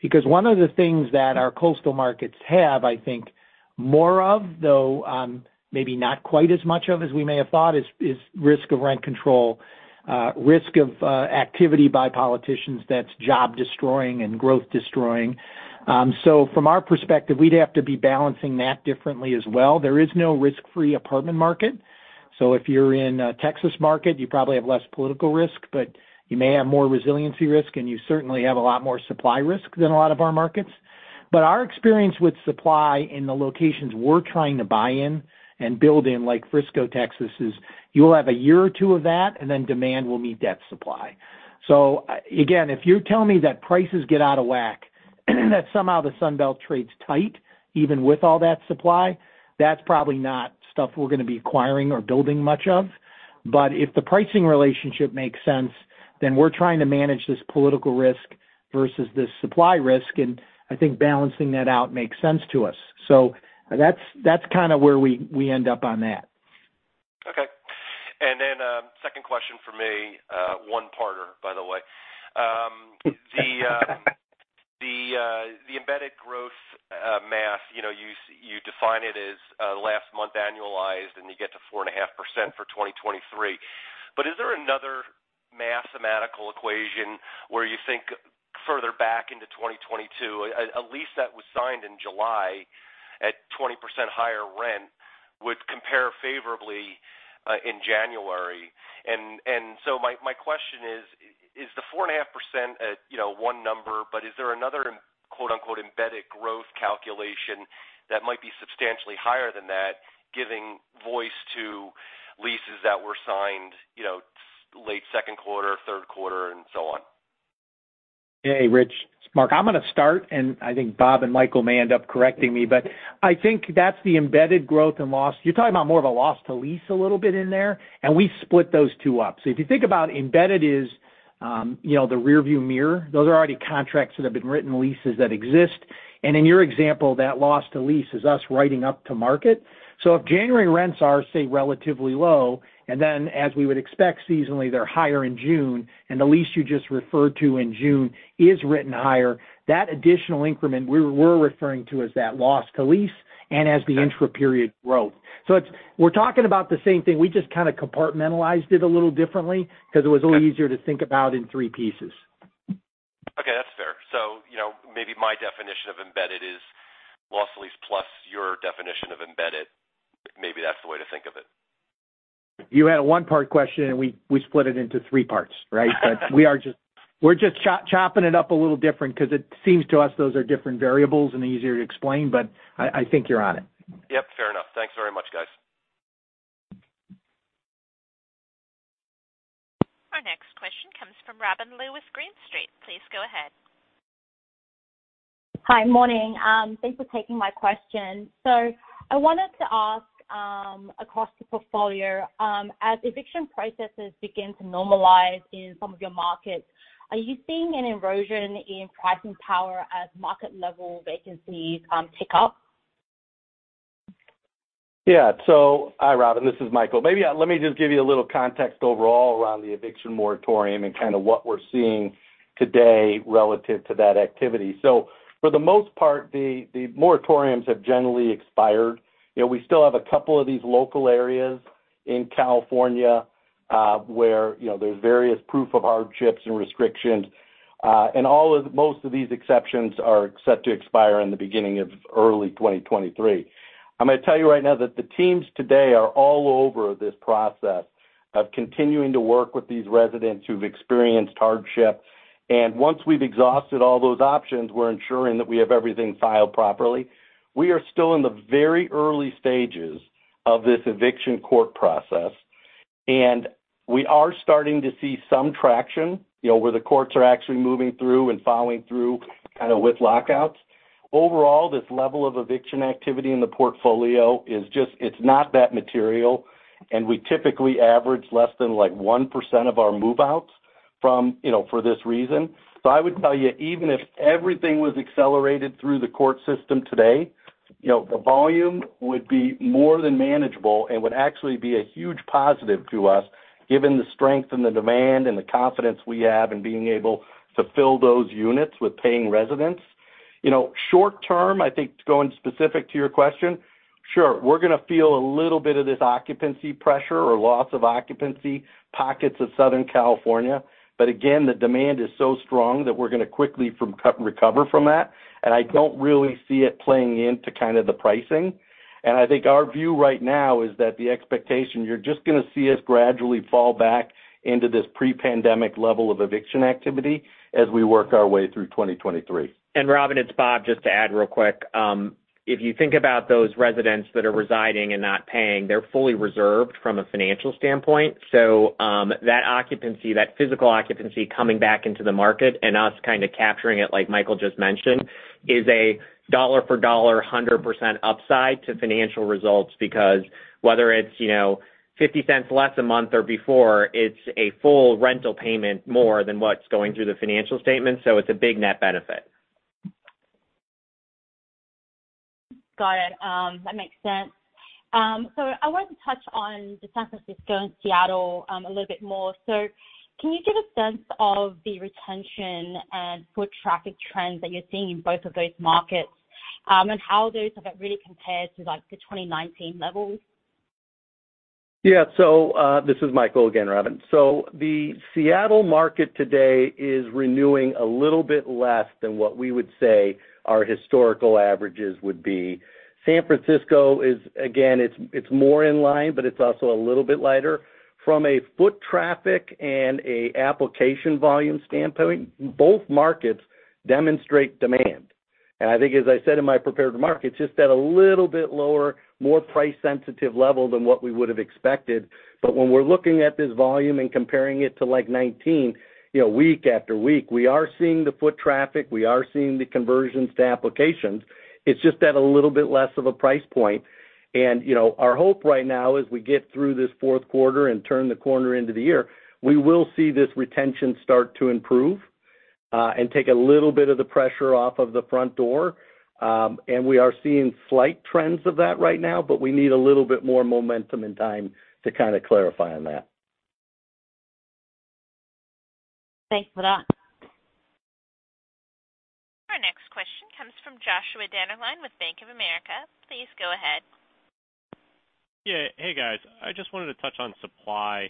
Because one of the things that our coastal markets have, I think more of, though, maybe not quite as much of as we may have thought, is risk of rent control, risk of activity by politicians that's job destroying and growth destroying. From our perspective, we'd have to be balancing that differently as well. There is no risk-free apartment market. If you're in a Texas market, you probably have less political risk, but you may have more resiliency risk, and you certainly have a lot more supply risk than a lot of our markets. Our experience with supply in the locations we're trying to buy in and build in, like Frisco, Texas, is you'll have a year or two of that, and then demand will meet that supply. Again, if you're telling me that prices get out of whack, that somehow the Sun Belt trades tight, even with all that supply, that's probably not stuff we're gonna be acquiring or building much of. If the pricing relationship makes sense, then we're trying to manage this political risk versus this supply risk, and I think balancing that out makes sense to us. That's kind of where we end up on that. Okay. Second question for me, one parter, by the way. The embedded growth math, you know, you define it as last month annualized, and you get to 4.5% for 2023. Is there another mathematical equation where you think further back into 2022, a lease that was signed in July at 20% higher rent would compare favorably in January. My question is the 4.5%, you know, one number, but is there another quote-unquote embedded growth calculation that might be substantially higher than that, giving voice to leases that were signed, you know, late second quarter, third quarter, and so on? Hey, Rich. It's Mark. I'm gonna start, and I think Bob and Michael may end up correcting me, but I think that's the embedded growth and loss. You're talking about more of a loss to lease a little bit in there, and we split those two up. If you think about embedded is, you know, the rearview mirror. Those are already contracts that have been written, leases that exist. In your example, that loss to lease is us writing up to market. If January rents are, say, relatively low, and then as we would expect seasonally, they're higher in June, and the lease you just referred to in June is written higher. That additional increment we were referring to as that loss to lease and as the intra-period growth. It's we're talking about the same thing. We just kind of compartmentalized it a little differently because it was a little easier to think about in three pieces. Okay, that's fair. You know, maybe my definition of embedded is loss to lease plus your definition of embedded. Maybe that's the way to think of it. You had a one-part question, and we split it into three parts, right? We're just chop-chopping it up a little different because it seems to us those are different variables and easier to explain, but I think you're on it. Yep, fair enough. Thanks very much, guys. Our next question comes from Robin Lu with Green Street. Please go ahead. Hi. Morning. Thanks for taking my question. I wanted to ask, across the portfolio, as eviction processes begin to normalize in some of your markets, are you seeing an erosion in pricing power as market-level vacancies tick up? Hi, Robin Lu, this is Michael Manelis. Maybe, let me just give you a little context overall around the eviction moratorium and kind of what we're seeing today relative to that activity. For the most part, the moratoriums have generally expired. You know, we still have a couple of these local areas in California, where, you know, there's various proof of hardships and restrictions. Most of these exceptions are set to expire in the beginning of early 2023. I'm gonna tell you right now that the teams today are all over this process of continuing to work with these residents who've experienced hardship. Once we've exhausted all those options, we're ensuring that we have everything filed properly. We are still in the very early stages of this eviction court process, and we are starting to see some traction, you know, where the courts are actually moving through and following through kind of with lockouts. Overall, this level of eviction activity in the portfolio is just. It's not that material, and we typically average less than, like, 1% of our move-outs from, you know, for this reason. I would tell you, even if everything was accelerated through the court system today, you know, the volume would be more than manageable and would actually be a huge positive to us, given the strength and the demand and the confidence we have in being able to fill those units with paying residents. You know, short term, I think, too, going specific to your question, sure, we're gonna feel a little bit of this occupancy pressure or loss of occupancy pockets of Southern California. But again, the demand is so strong that we're gonna quickly recover from that. I don't really see it playing into kind of the pricing. I think our view right now is that the expectation, you're just gonna see us gradually fall back into this pre-pandemic level of eviction activity as we work our way through 2023. Robin, it's Bob, just to add real quick. If you think about those residents that are residing and not paying, they're fully reserved from a financial standpoint. That occupancy, that physical occupancy coming back into the market and us kind of capturing it, like Michael just mentioned, is a dollar for dollar, 100% upside to financial results. Because whether it's, you know, $0.50 less a month or before, it's a full rental payment more than what's going through the financial statement, so it's a big net benefit. Got it. That makes sense. I wanted to touch on the San Francisco and Seattle a little bit more. Can you give a sense of the retention and foot traffic trends that you're seeing in both of those markets, and how those have really compared to, like, the 2019 levels? Yeah. This is Michael again, Robin. The Seattle market today is renewing a little bit less than what we would say our historical averages would be. San Francisco is again, it's more in line, but it's also a little bit lighter. From a foot traffic and application volume standpoint, both markets demonstrate demand. I think as I said in my prepared remarks, it's just at a little bit lower, more price sensitive level than what we would have expected. When we're looking at this volume and comparing it to, like, 19, you know, week after week, we are seeing the foot traffic, we are seeing the conversions to applications. It's just at a little bit less of a price point. You know, our hope right now as we get through this fourth quarter and turn the corner into the year, we will see this retention start to improve, and take a little bit of the pressure off of the front door. We are seeing slight trends of that right now, but we need a little bit more momentum and time to kind of clarify on that. Thanks for that. Our next question comes from Joshua Dennerlein with Bank of America. Please go ahead. Yeah. Hey, guys. I just wanted to touch on supply.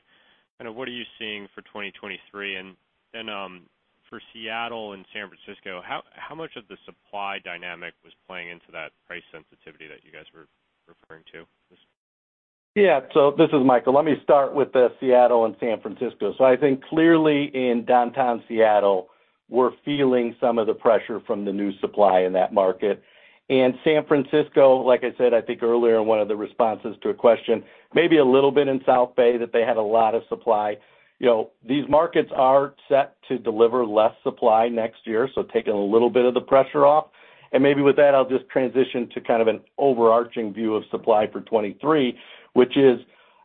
Kinda what are you seeing for 2023? Then, for Seattle and San Francisco, how much of the supply dynamic was playing into that price sensitivity that you guys were referring to? Yeah. This is Michael. Let me start with the Seattle and San Francisco. I think clearly in downtown Seattle, we're feeling some of the pressure from the new supply in that market. San Francisco, like I said, I think earlier in one of the responses to a question, maybe a little bit in South Bay that they had a lot of supply. You know, these markets are set to deliver less supply next year, so taking a little bit of the pressure off. Maybe with that, I'll just transition to kind of an overarching view of supply for 2023, which is,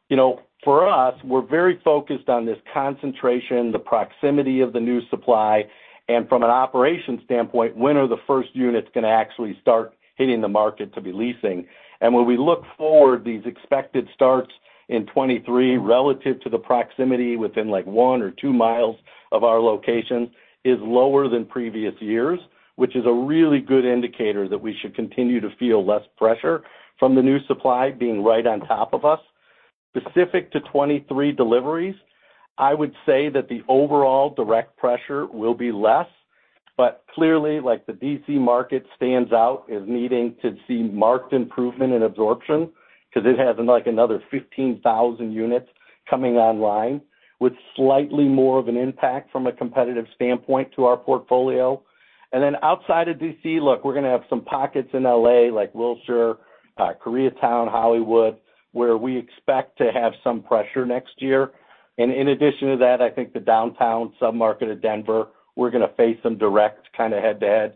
you know, for us, we're very focused on this concentration, the proximity of the new supply. From an operations standpoint, when are the first units gonna actually start hitting the market to be leasing? When we look forward, these expected starts in 2023 relative to the proximity within, like, one or two miles of our location is lower than previous years, which is a really good indicator that we should continue to feel less pressure from the new supply being right on top of us. Specific to 2023 deliveries, I would say that the overall direct pressure will be less. Clearly, like, the D.C. market stands out as needing to see marked improvement in absorption 'cause it has, like, another 15,000 units coming online with slightly more of an impact from a competitive standpoint to our portfolio. Outside of D.C., look, we're gonna have some pockets in L.A. like Wilshire, Koreatown, Hollywood, where we expect to have some pressure next year. In addition to that, I think the downtown sub-market of Denver, we're gonna face some direct kinda head to head.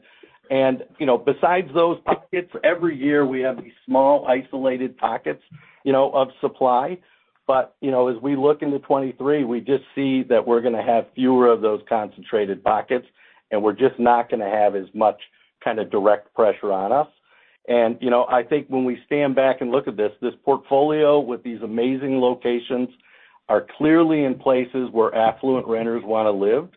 You know, besides those pockets, every year we have these small isolated pockets, you know, of supply. You know, as we look into 2023, we just see that we're gonna have fewer of those concentrated pockets, and we're just not gonna have as much kinda direct pressure on us. You know, I think when we stand back and look at this portfolio with these amazing locations are clearly in places where affluent renters wanna live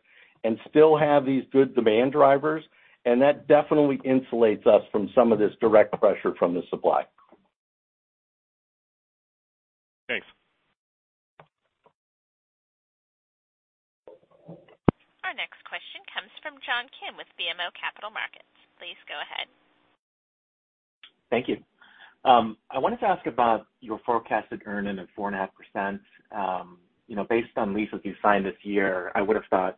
and still have these good demand drivers, and that definitely insulates us from some of this direct pressure from the supply. Our next question comes from John Kim with BMO Capital Markets. Please go ahead. Thank you. I wanted to ask about your forecasted earn-in of 4.5%. You know, based on leases you signed this year, I would have thought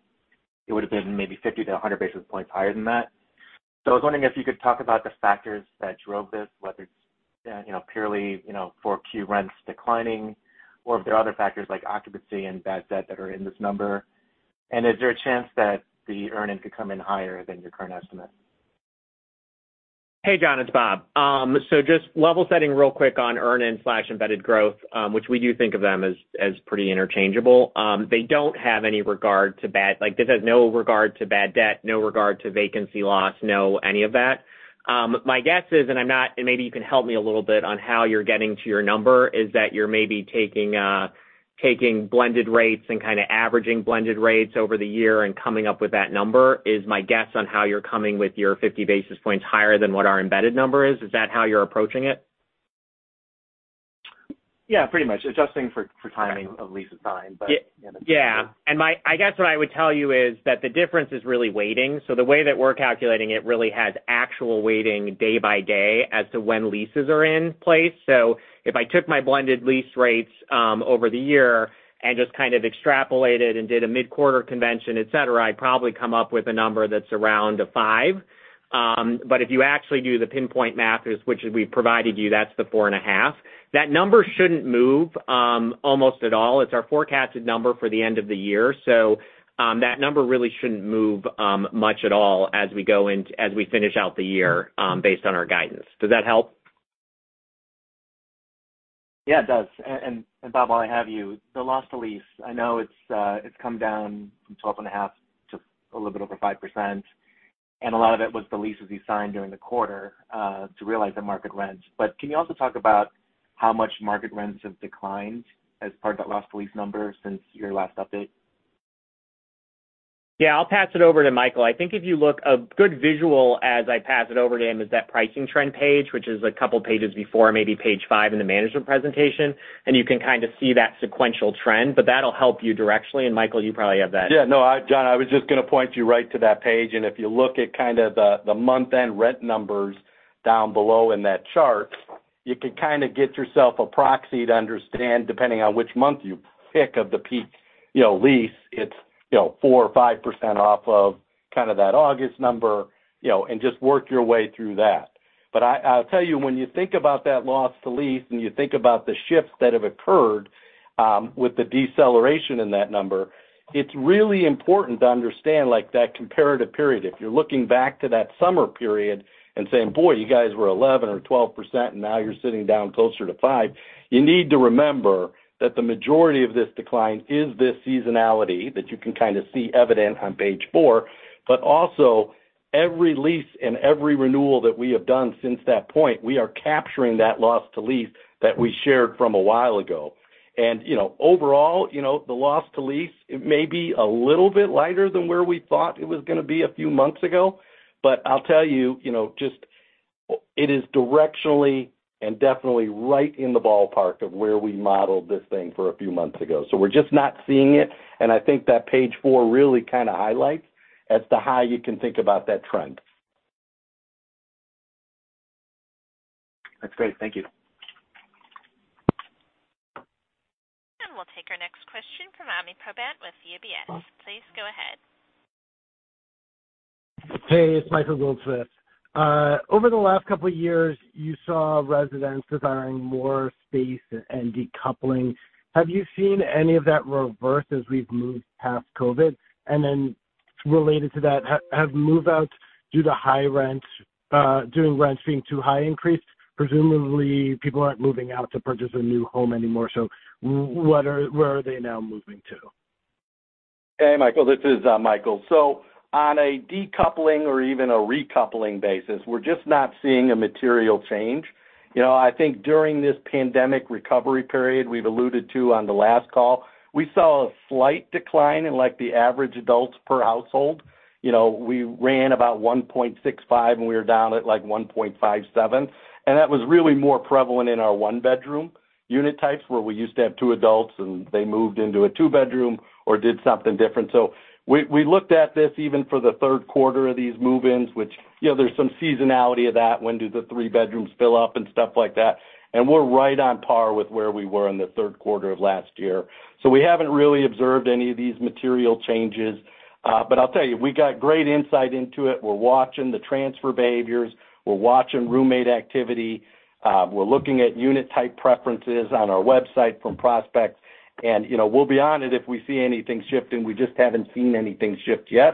it would have been maybe 50-100 basis points higher than that. I was wondering if you could talk about the factors that drove this, whether it's, you know, purely, you know, Q4 rents declining or if there are other factors like occupancy and bad debt that are in this number. Is there a chance that the earn-in could come in higher than your current estimate? Hey, John, it's Bob. Just level setting real quick on earn-in/embedded growth, which we do think of them as pretty interchangeable. They don't have any regard to bad debt, no regard to vacancy loss. No any of that. My guess is, and I'm not, and maybe you can help me a little bit on how you're getting to your number, that you're maybe taking blended rates and kind of averaging blended rates over the year and coming up with that number. That's my guess on how you're coming up with your 50 basis points higher than what our embedded number is. Is that how you're approaching it? Yeah, pretty much adjusting for timing of leases signed, but. Yeah. I guess what I would tell you is that the difference is really weighting. The way that we're calculating it really has actual weighting day by day as to when leases are in place. If I took my blended lease rates over the year and just kind of extrapolated and did a mid-quarter convention, et cetera, I'd probably come up with a number that's around 5%. But if you actually do the pinpoint math, which we provided you, that's the 4.5%. That number shouldn't move almost at all. It's our forecasted number for the end of the year. That number really shouldn't move much at all as we finish out the year based on our guidance. Does that help? Yeah, it does. Bob, while I have you, the loss to lease, I know it's come down from 12.5 to a little bit over 5%, and a lot of it was the leases you signed during the quarter, to realize the market rents. Can you also talk about how much market rents have declined as part of that loss to lease number since your last update? Yeah, I'll pass it over to Michael. I think if you look, a good visual as I pass it over to him is that pricing trend page, which is a couple pages before maybe page five in the management presentation, and you can kind of see that sequential trend, but that'll help you directly. Michael, you probably have that. Yeah. No, John, I was just gonna point you right to that page. If you look at kind of the month-end rent numbers down below in that chart, you can kind of get yourself a proxy to understand, depending on which month you pick of the peak, you know, lease, it's, you know, 4% or 5% off of kind of that August number, you know, and just work your way through that. I'll tell you, when you think about that loss to lease and you think about the shifts that have occurred, with the deceleration in that number, it's really important to understand like that comparative period. If you're looking back to that summer period and saying, boy, you guys were 11% or 12%, and now you're sitting down closer to 5%. You need to remember that the majority of this decline is this seasonality that you can kind of see evident on page four. Also every lease and every renewal that we have done since that point, we are capturing that loss to lease that we shared from a while ago. You know, overall, you know, the loss to lease, it may be a little bit lighter than where we thought it was gonna be a few months ago. I'll tell you know, just it is directionally and definitely right in the ballpark of where we modeled this thing for a few months ago. We're just not seeing it, and I think that page 4 really kind of highlights as to how you can think about that trend. That's great. Thank you. We'll take our next question from Ami Probandt with UBS. Please go ahead. Hey, it's Michael Goldsmith. Over the last couple of years, you saw residents desiring more space and decoupling. Have you seen any of that reverse as we've moved past Covid? Related to that, have move-outs due to high rents, due to rents being too high increased? Presumably people aren't moving out to purchase a new home anymore, so where are they now moving to? Hey, Michael, this is Michael. On a decoupling or even a recoupling basis, we're just not seeing a material change. You know, I think during this pandemic recovery period we've alluded to on the last call, we saw a slight decline in like the average adults per household. You know, we ran about 1.65, and we were down at, like, 1.57. That was really more prevalent in our one-bedroom unit types, where we used to have two adults and they moved into a two-bedroom or did something different. We looked at this even for the third quarter of these move-ins, which, you know, there's some seasonality of that. When do the three bedrooms fill up and stuff like that. We're right on par with where we were in the third quarter of last year. We haven't really observed any of these material changes. I'll tell you, we got great insight into it. We're watching the transfer behaviors. We're watching roommate activity. We're looking at unit type preferences on our website from prospects. You know, we'll be on it if we see anything shifting. We just haven't seen anything shift yet.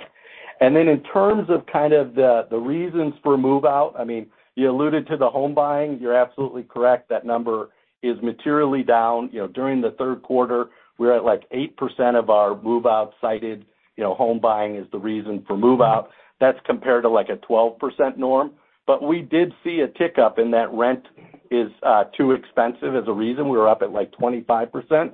Then in terms of kind of the reasons for move-out, I mean, you alluded to the home buying. You're absolutely correct. That number is materially down. You know, during the third quarter, we're at, like, 8% of our move-out cited. You know, home buying is the reason for move-out. That's compared to, like, a 12% norm. We did see a tick up in that rent is too expensive as a reason. We were up at, like, 25%.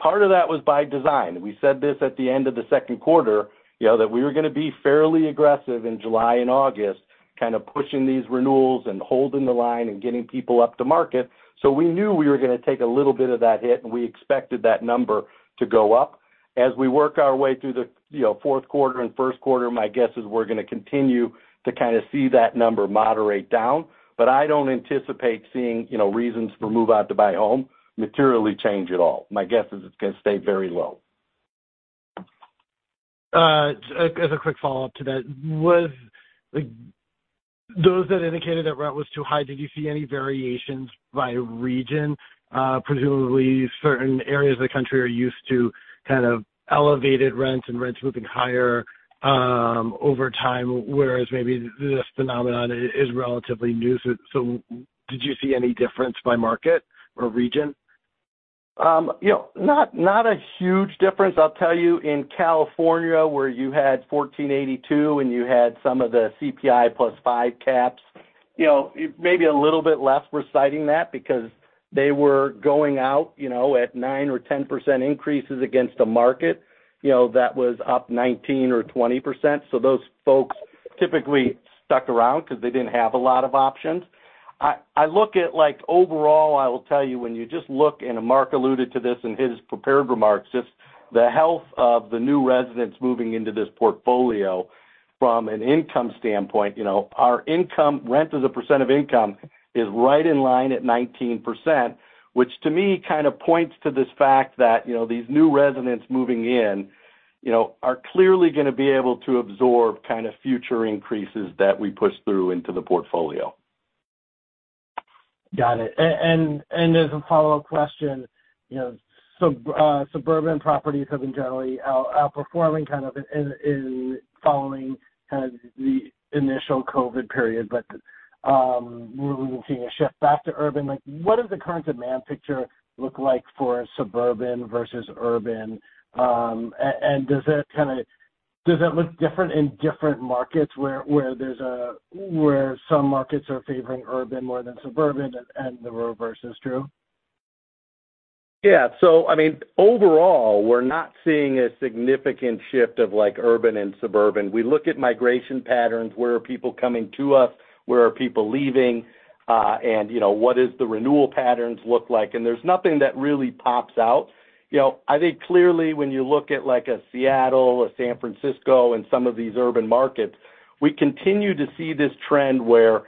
Part of that was by design. We said this at the end of the second quarter, you know, that we were gonna be fairly aggressive in July and August, kind of pushing these renewals and holding the line and getting people up to market. We knew we were gonna take a little bit of that hit, and we expected that number to go up. As we work our way through the, you know, fourth quarter and first quarter, my guess is we're gonna continue to kind of see that number moderate down. I don't anticipate seeing, you know, reasons for move out to buy a home materially change at all. My guess is it's gonna stay very low. As a quick follow-up to that, was, like, those that indicated that rent was too high, did you see any variations by region? Presumably certain areas of the country are used to kind of elevated rents and rents moving higher, over time, whereas maybe this phenomenon is relatively new. Did you see any difference by market or region? You know, not a huge difference. I'll tell you, in California, where you had AB 1482 and you had some of the CPI+ five caps, you know, maybe a little bit less were citing that because they were going out, you know, at 9% or 10% increases against a market, you know, that was up 19% or 20%. Those folks typically stuck around because they didn't have a lot of options. I look at, like, overall, I will tell you, when you just look, and Mark alluded to this in his prepared remarks, just the health of the new residents moving into this portfolio from an income standpoint, you know, our income. Rent as a percent of income is right in line at 19%, which to me kind of points to this fact that, you know, these new residents moving in, you know, are clearly gonna be able to absorb kind of future increases that we push through into the portfolio. Got it. As a follow-up question, you know, suburban properties have been generally outperforming kind of in following kind of the initial COVID period. We've been seeing a shift back to urban. Like, what does the current demand picture look like for suburban versus urban? Does that kinda look different in different markets where some markets are favoring urban more than suburban and the reverse is true? Yeah. I mean, overall, we're not seeing a significant shift of like urban and suburban. We look at migration patterns, where are people coming to us, where are people leaving, and, you know, what is the renewal patterns look like, and there's nothing that really pops out. You know, I think clearly when you look at like a Seattle, a San Francisco, and some of these urban markets, we continue to see this trend where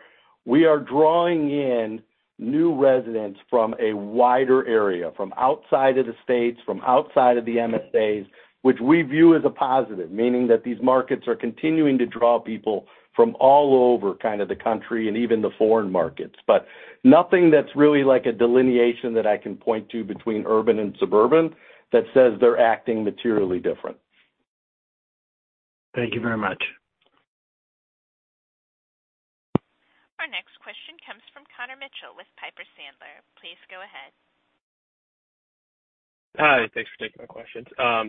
we are drawing in new residents from a wider area, from outside of the states, from outside of the MSAs, which we view as a positive. Meaning that these markets are continuing to draw people from all over kind of the country and even the foreign markets. Nothing that's really like a delineation that I can point to between urban and suburban that says they're acting materially different. Thank you very much. Our next question comes from Connor Mitchell with Piper Sandler. Please go ahead. Hi, thanks for taking my questions. I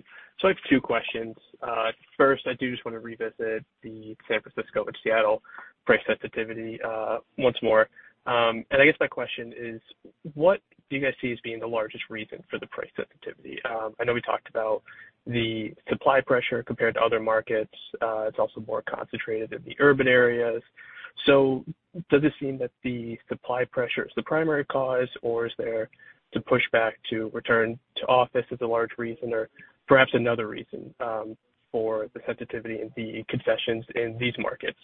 have two questions. First, I do just wanna revisit the San Francisco and Seattle price sensitivity, once more. I guess my question is: What do you guys see as being the largest reason for the price sensitivity? I know we talked about the supply pressure compared to other markets. It's also more concentrated in the urban areas. Does it seem that the supply pressure is the primary cause, or is there the pushback to return to office is a large reason or perhaps another reason, for the sensitivity and the concessions in these markets?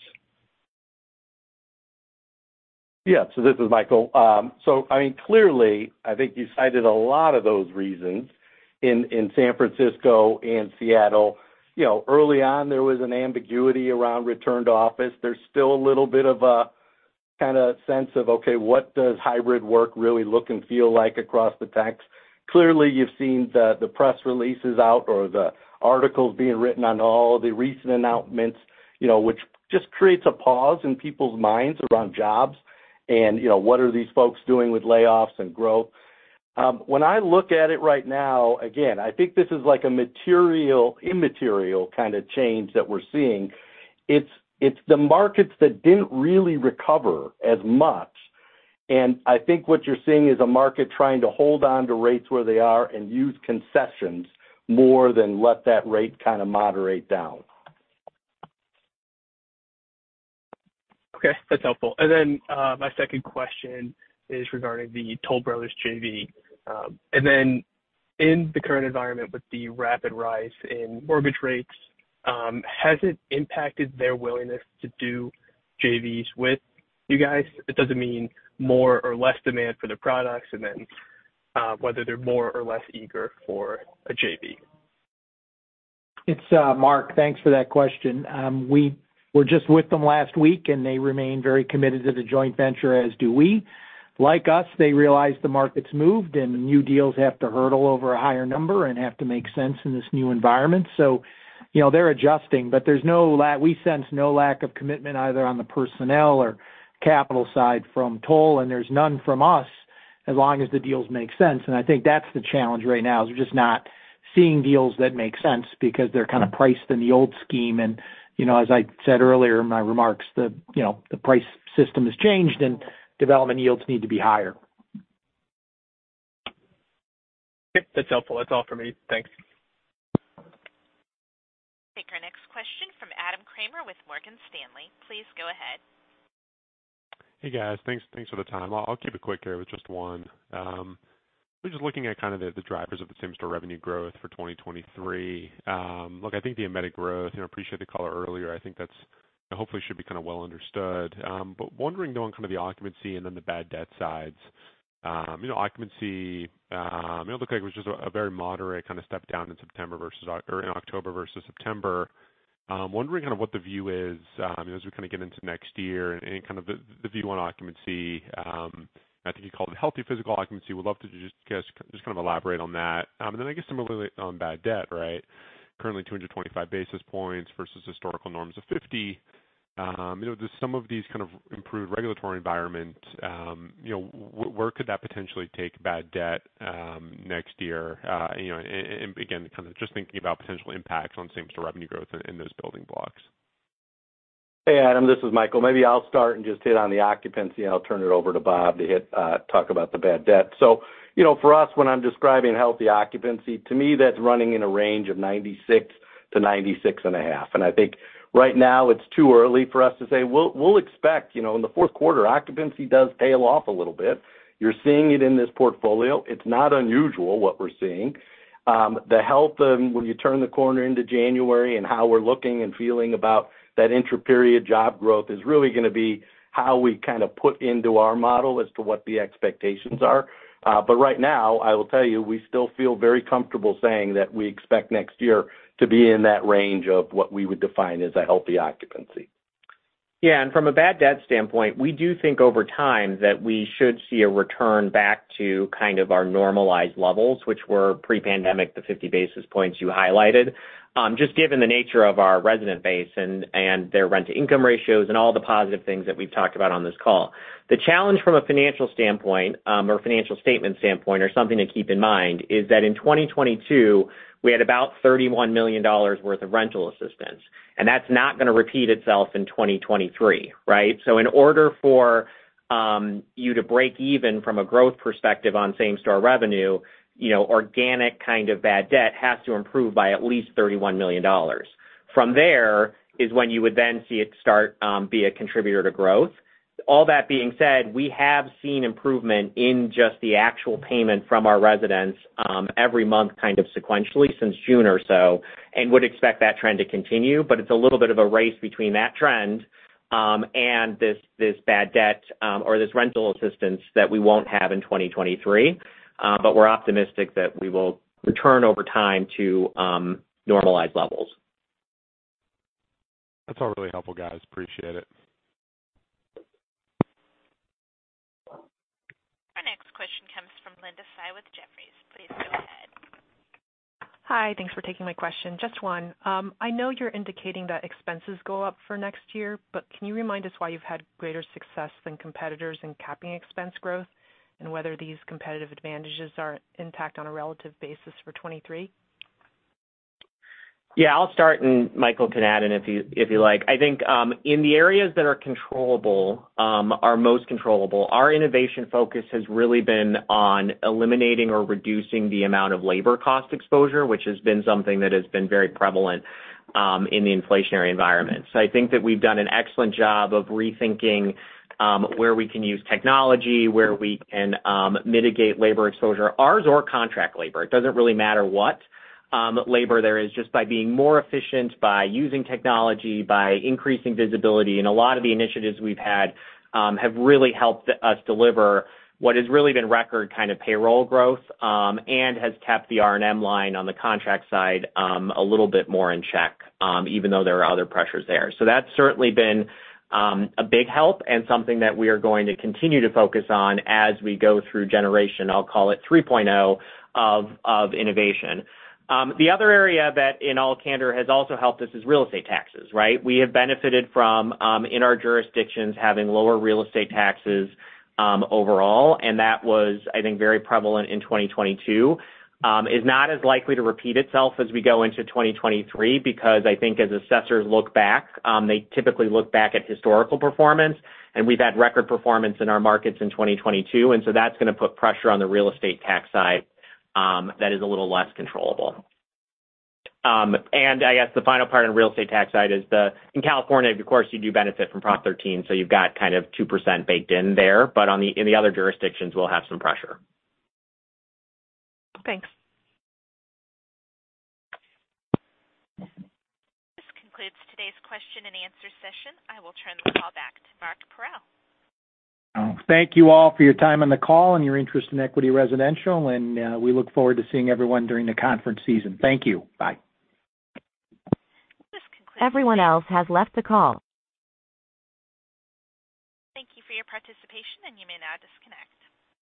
Yeah. This is Michael. I mean, clearly I think you cited a lot of those reasons in San Francisco and Seattle. You know, early on there was an ambiguity around return to office. There's still a little bit of a kinda sense of, okay, what does hybrid work really look and feel like across the techs? Clearly you've seen the press releases out or the articles being written on all the recent announcements, you know, which just creates a pause in people's minds around jobs and, you know, what are these folks doing with layoffs and growth. When I look at it right now, again, I think this is like a material immaterial kind of change that we're seeing. It's the markets that didn't really recover as much. I think what you're seeing is a market trying to hold on to rates where they are and use concessions more than let that rate kind of moderate down. Okay, that's helpful. My second question is regarding the Toll Brothers JV. In the current environment with the rapid rise in mortgage rates, has it impacted their willingness to do JVs with you guys? It doesn't mean more or less demand for the products, and then whether they're more or less eager for a JV. It's Mark. Thanks for that question. We were just with them last week and they remain very committed to the joint venture, as do we. Like us, they realize the market's moved and the new deals have to hurdle over a higher number and have to make sense in this new environment. You know, they're adjusting, but we sense no lack of commitment either on the personnel or capital side from Toll, and there's none from us as long as the deals make sense. I think that's the challenge right now, is we're just not seeing deals that make sense because they're kind of priced in the old scheme. You know, as I said earlier in my remarks, the price system has changed and development yields need to be higher. Okay, that's helpful. That's all for me. Thanks. Take our next question from Adam Kramer with Morgan Stanley. Please go ahead. Hey, guys. Thanks for the time. I'll keep it quick here with just one. We're just looking at kind of the drivers of the same-store revenue growth for 2023. Look, I think the embedded growth, you know, appreciate the color earlier. I think that's, you know, hopefully should be kind of well understood. But wondering though on kind of the occupancy and then the bad debt sides. You know, occupancy, you know, looked like it was just a very moderate kind of step down in October versus September. Wondering kind of what the view is, you know, as we kind of get into next year and any kind of the view on occupancy. I think you called it healthy physical occupancy. Can you just kind of elaborate on that. I guess similarly on bad debt, right? Currently 225 basis points versus historical norms of 50. You know, does some of these kinds of improvements in the regulatory environment, you know, where could that potentially take bad debt next year? You know, and again, kind of just thinking about potential impacts on same-store revenue growth in those building blocks. Hey, Adam, this is Michael. Maybe I'll start and just hit on the occupancy, and I'll turn it over to Bob to hit, talk about the bad debt. You know, for us, when I'm describing healthy occupancy, to me, that's running in a range of 96%-96.5%. I think right now it's too early for us to say, we'll expect, you know, in the fourth quarter, occupancy does tail off a little bit. You're seeing it in this portfolio. It's not unusual what we're seeing. The health of when you turn the corner into January and how we're looking and feeling about that intra-period job growth is really gonna be how we kind of put into our model as to what the expectations are. Right now I will tell you, we still feel very comfortable saying that we expect next year to be in that range of what we would define as a healthy occupancy. Yeah. From a bad debt standpoint, we do think over time that we should see a return back to kind of our normalized levels, which were pre-pandemic, the 50 basis points you highlighted, just given the nature of our resident base and their rent-to-income ratios and all the positive things that we've talked about on this call. The challenge from a financial standpoint, or financial statement standpoint or something to keep in mind is that in 2022, we had about $31 million worth of rental assistance, and that's not gonna repeat itself in 2023, right? In order for you to break even from a growth perspective on same-store revenue, you know, organic kind of bad debt has to improve by at least $31 million. From there is when you would then see it start be a contributor to growth. All that being said, we have seen improvement in just the actual payment from our residents every month, kind of sequentially since June or so, and would expect that trend to continue. It's a little bit of a race between that trend and this bad debt or this rental assistance that we won't have in 2023. We're optimistic that we will return over time to normalized levels. That's all really helpful, guys. Appreciate it. Our next question comes from Linda Tsai with Jefferies. Please go ahead. Hi. Thanks for taking my question. Just one. I know you're indicating that expenses go up for next year, but can you remind us why you've had greater success than competitors in capping expense growth and whether these competitive advantages are intact on a relative basis for 2023? Yeah, I'll start and Michael can add in if you like. I think in the areas that are most controllable, our innovation focus has really been on eliminating or reducing the amount of labor cost exposure, which has been something very prevalent in the inflationary environment. I think that we've done an excellent job of rethinking where we can use technology, where we can mitigate labor exposure, ours or contract labor. It doesn't really matter what labor there is, just by being more efficient, by using technology, by increasing visibility. A lot of the initiatives we've had have really helped us deliver what has really been record kind of payroll growth, and has kept the R&M line on the contract side a little bit more in check, even though there are other pressures there. That's certainly been a big help and something that we are going to continue to focus on as we go through generation, I'll call it 3.0 of innovation. The other area that in all candor has also helped us is real estate taxes, right? We have benefited from in our jurisdictions having lower real estate taxes overall, and that was, I think, very prevalent in 2022. is not as likely to repeat itself as we go into 2023 because I think as assessors look back, they typically look back at historical performance, and we've had record performance in our markets in 2022, and so that's gonna put pressure on the real estate tax side, that is a little less controllable. I guess the final part on real estate tax side is in California, of course, you do benefit from Proposition 13, so you've got kind of 2% baked in there, but in the other jurisdictions, we'll have some pressure. Thanks. This concludes today's question and answer session. I will turn the call back to Mark Parrell. Thank you all for your time on the call and your interest in Equity Residential, and we look forward to seeing everyone during the conference season. Thank you. Bye. This concludes. Thank you for your participation, and you may now disconnect.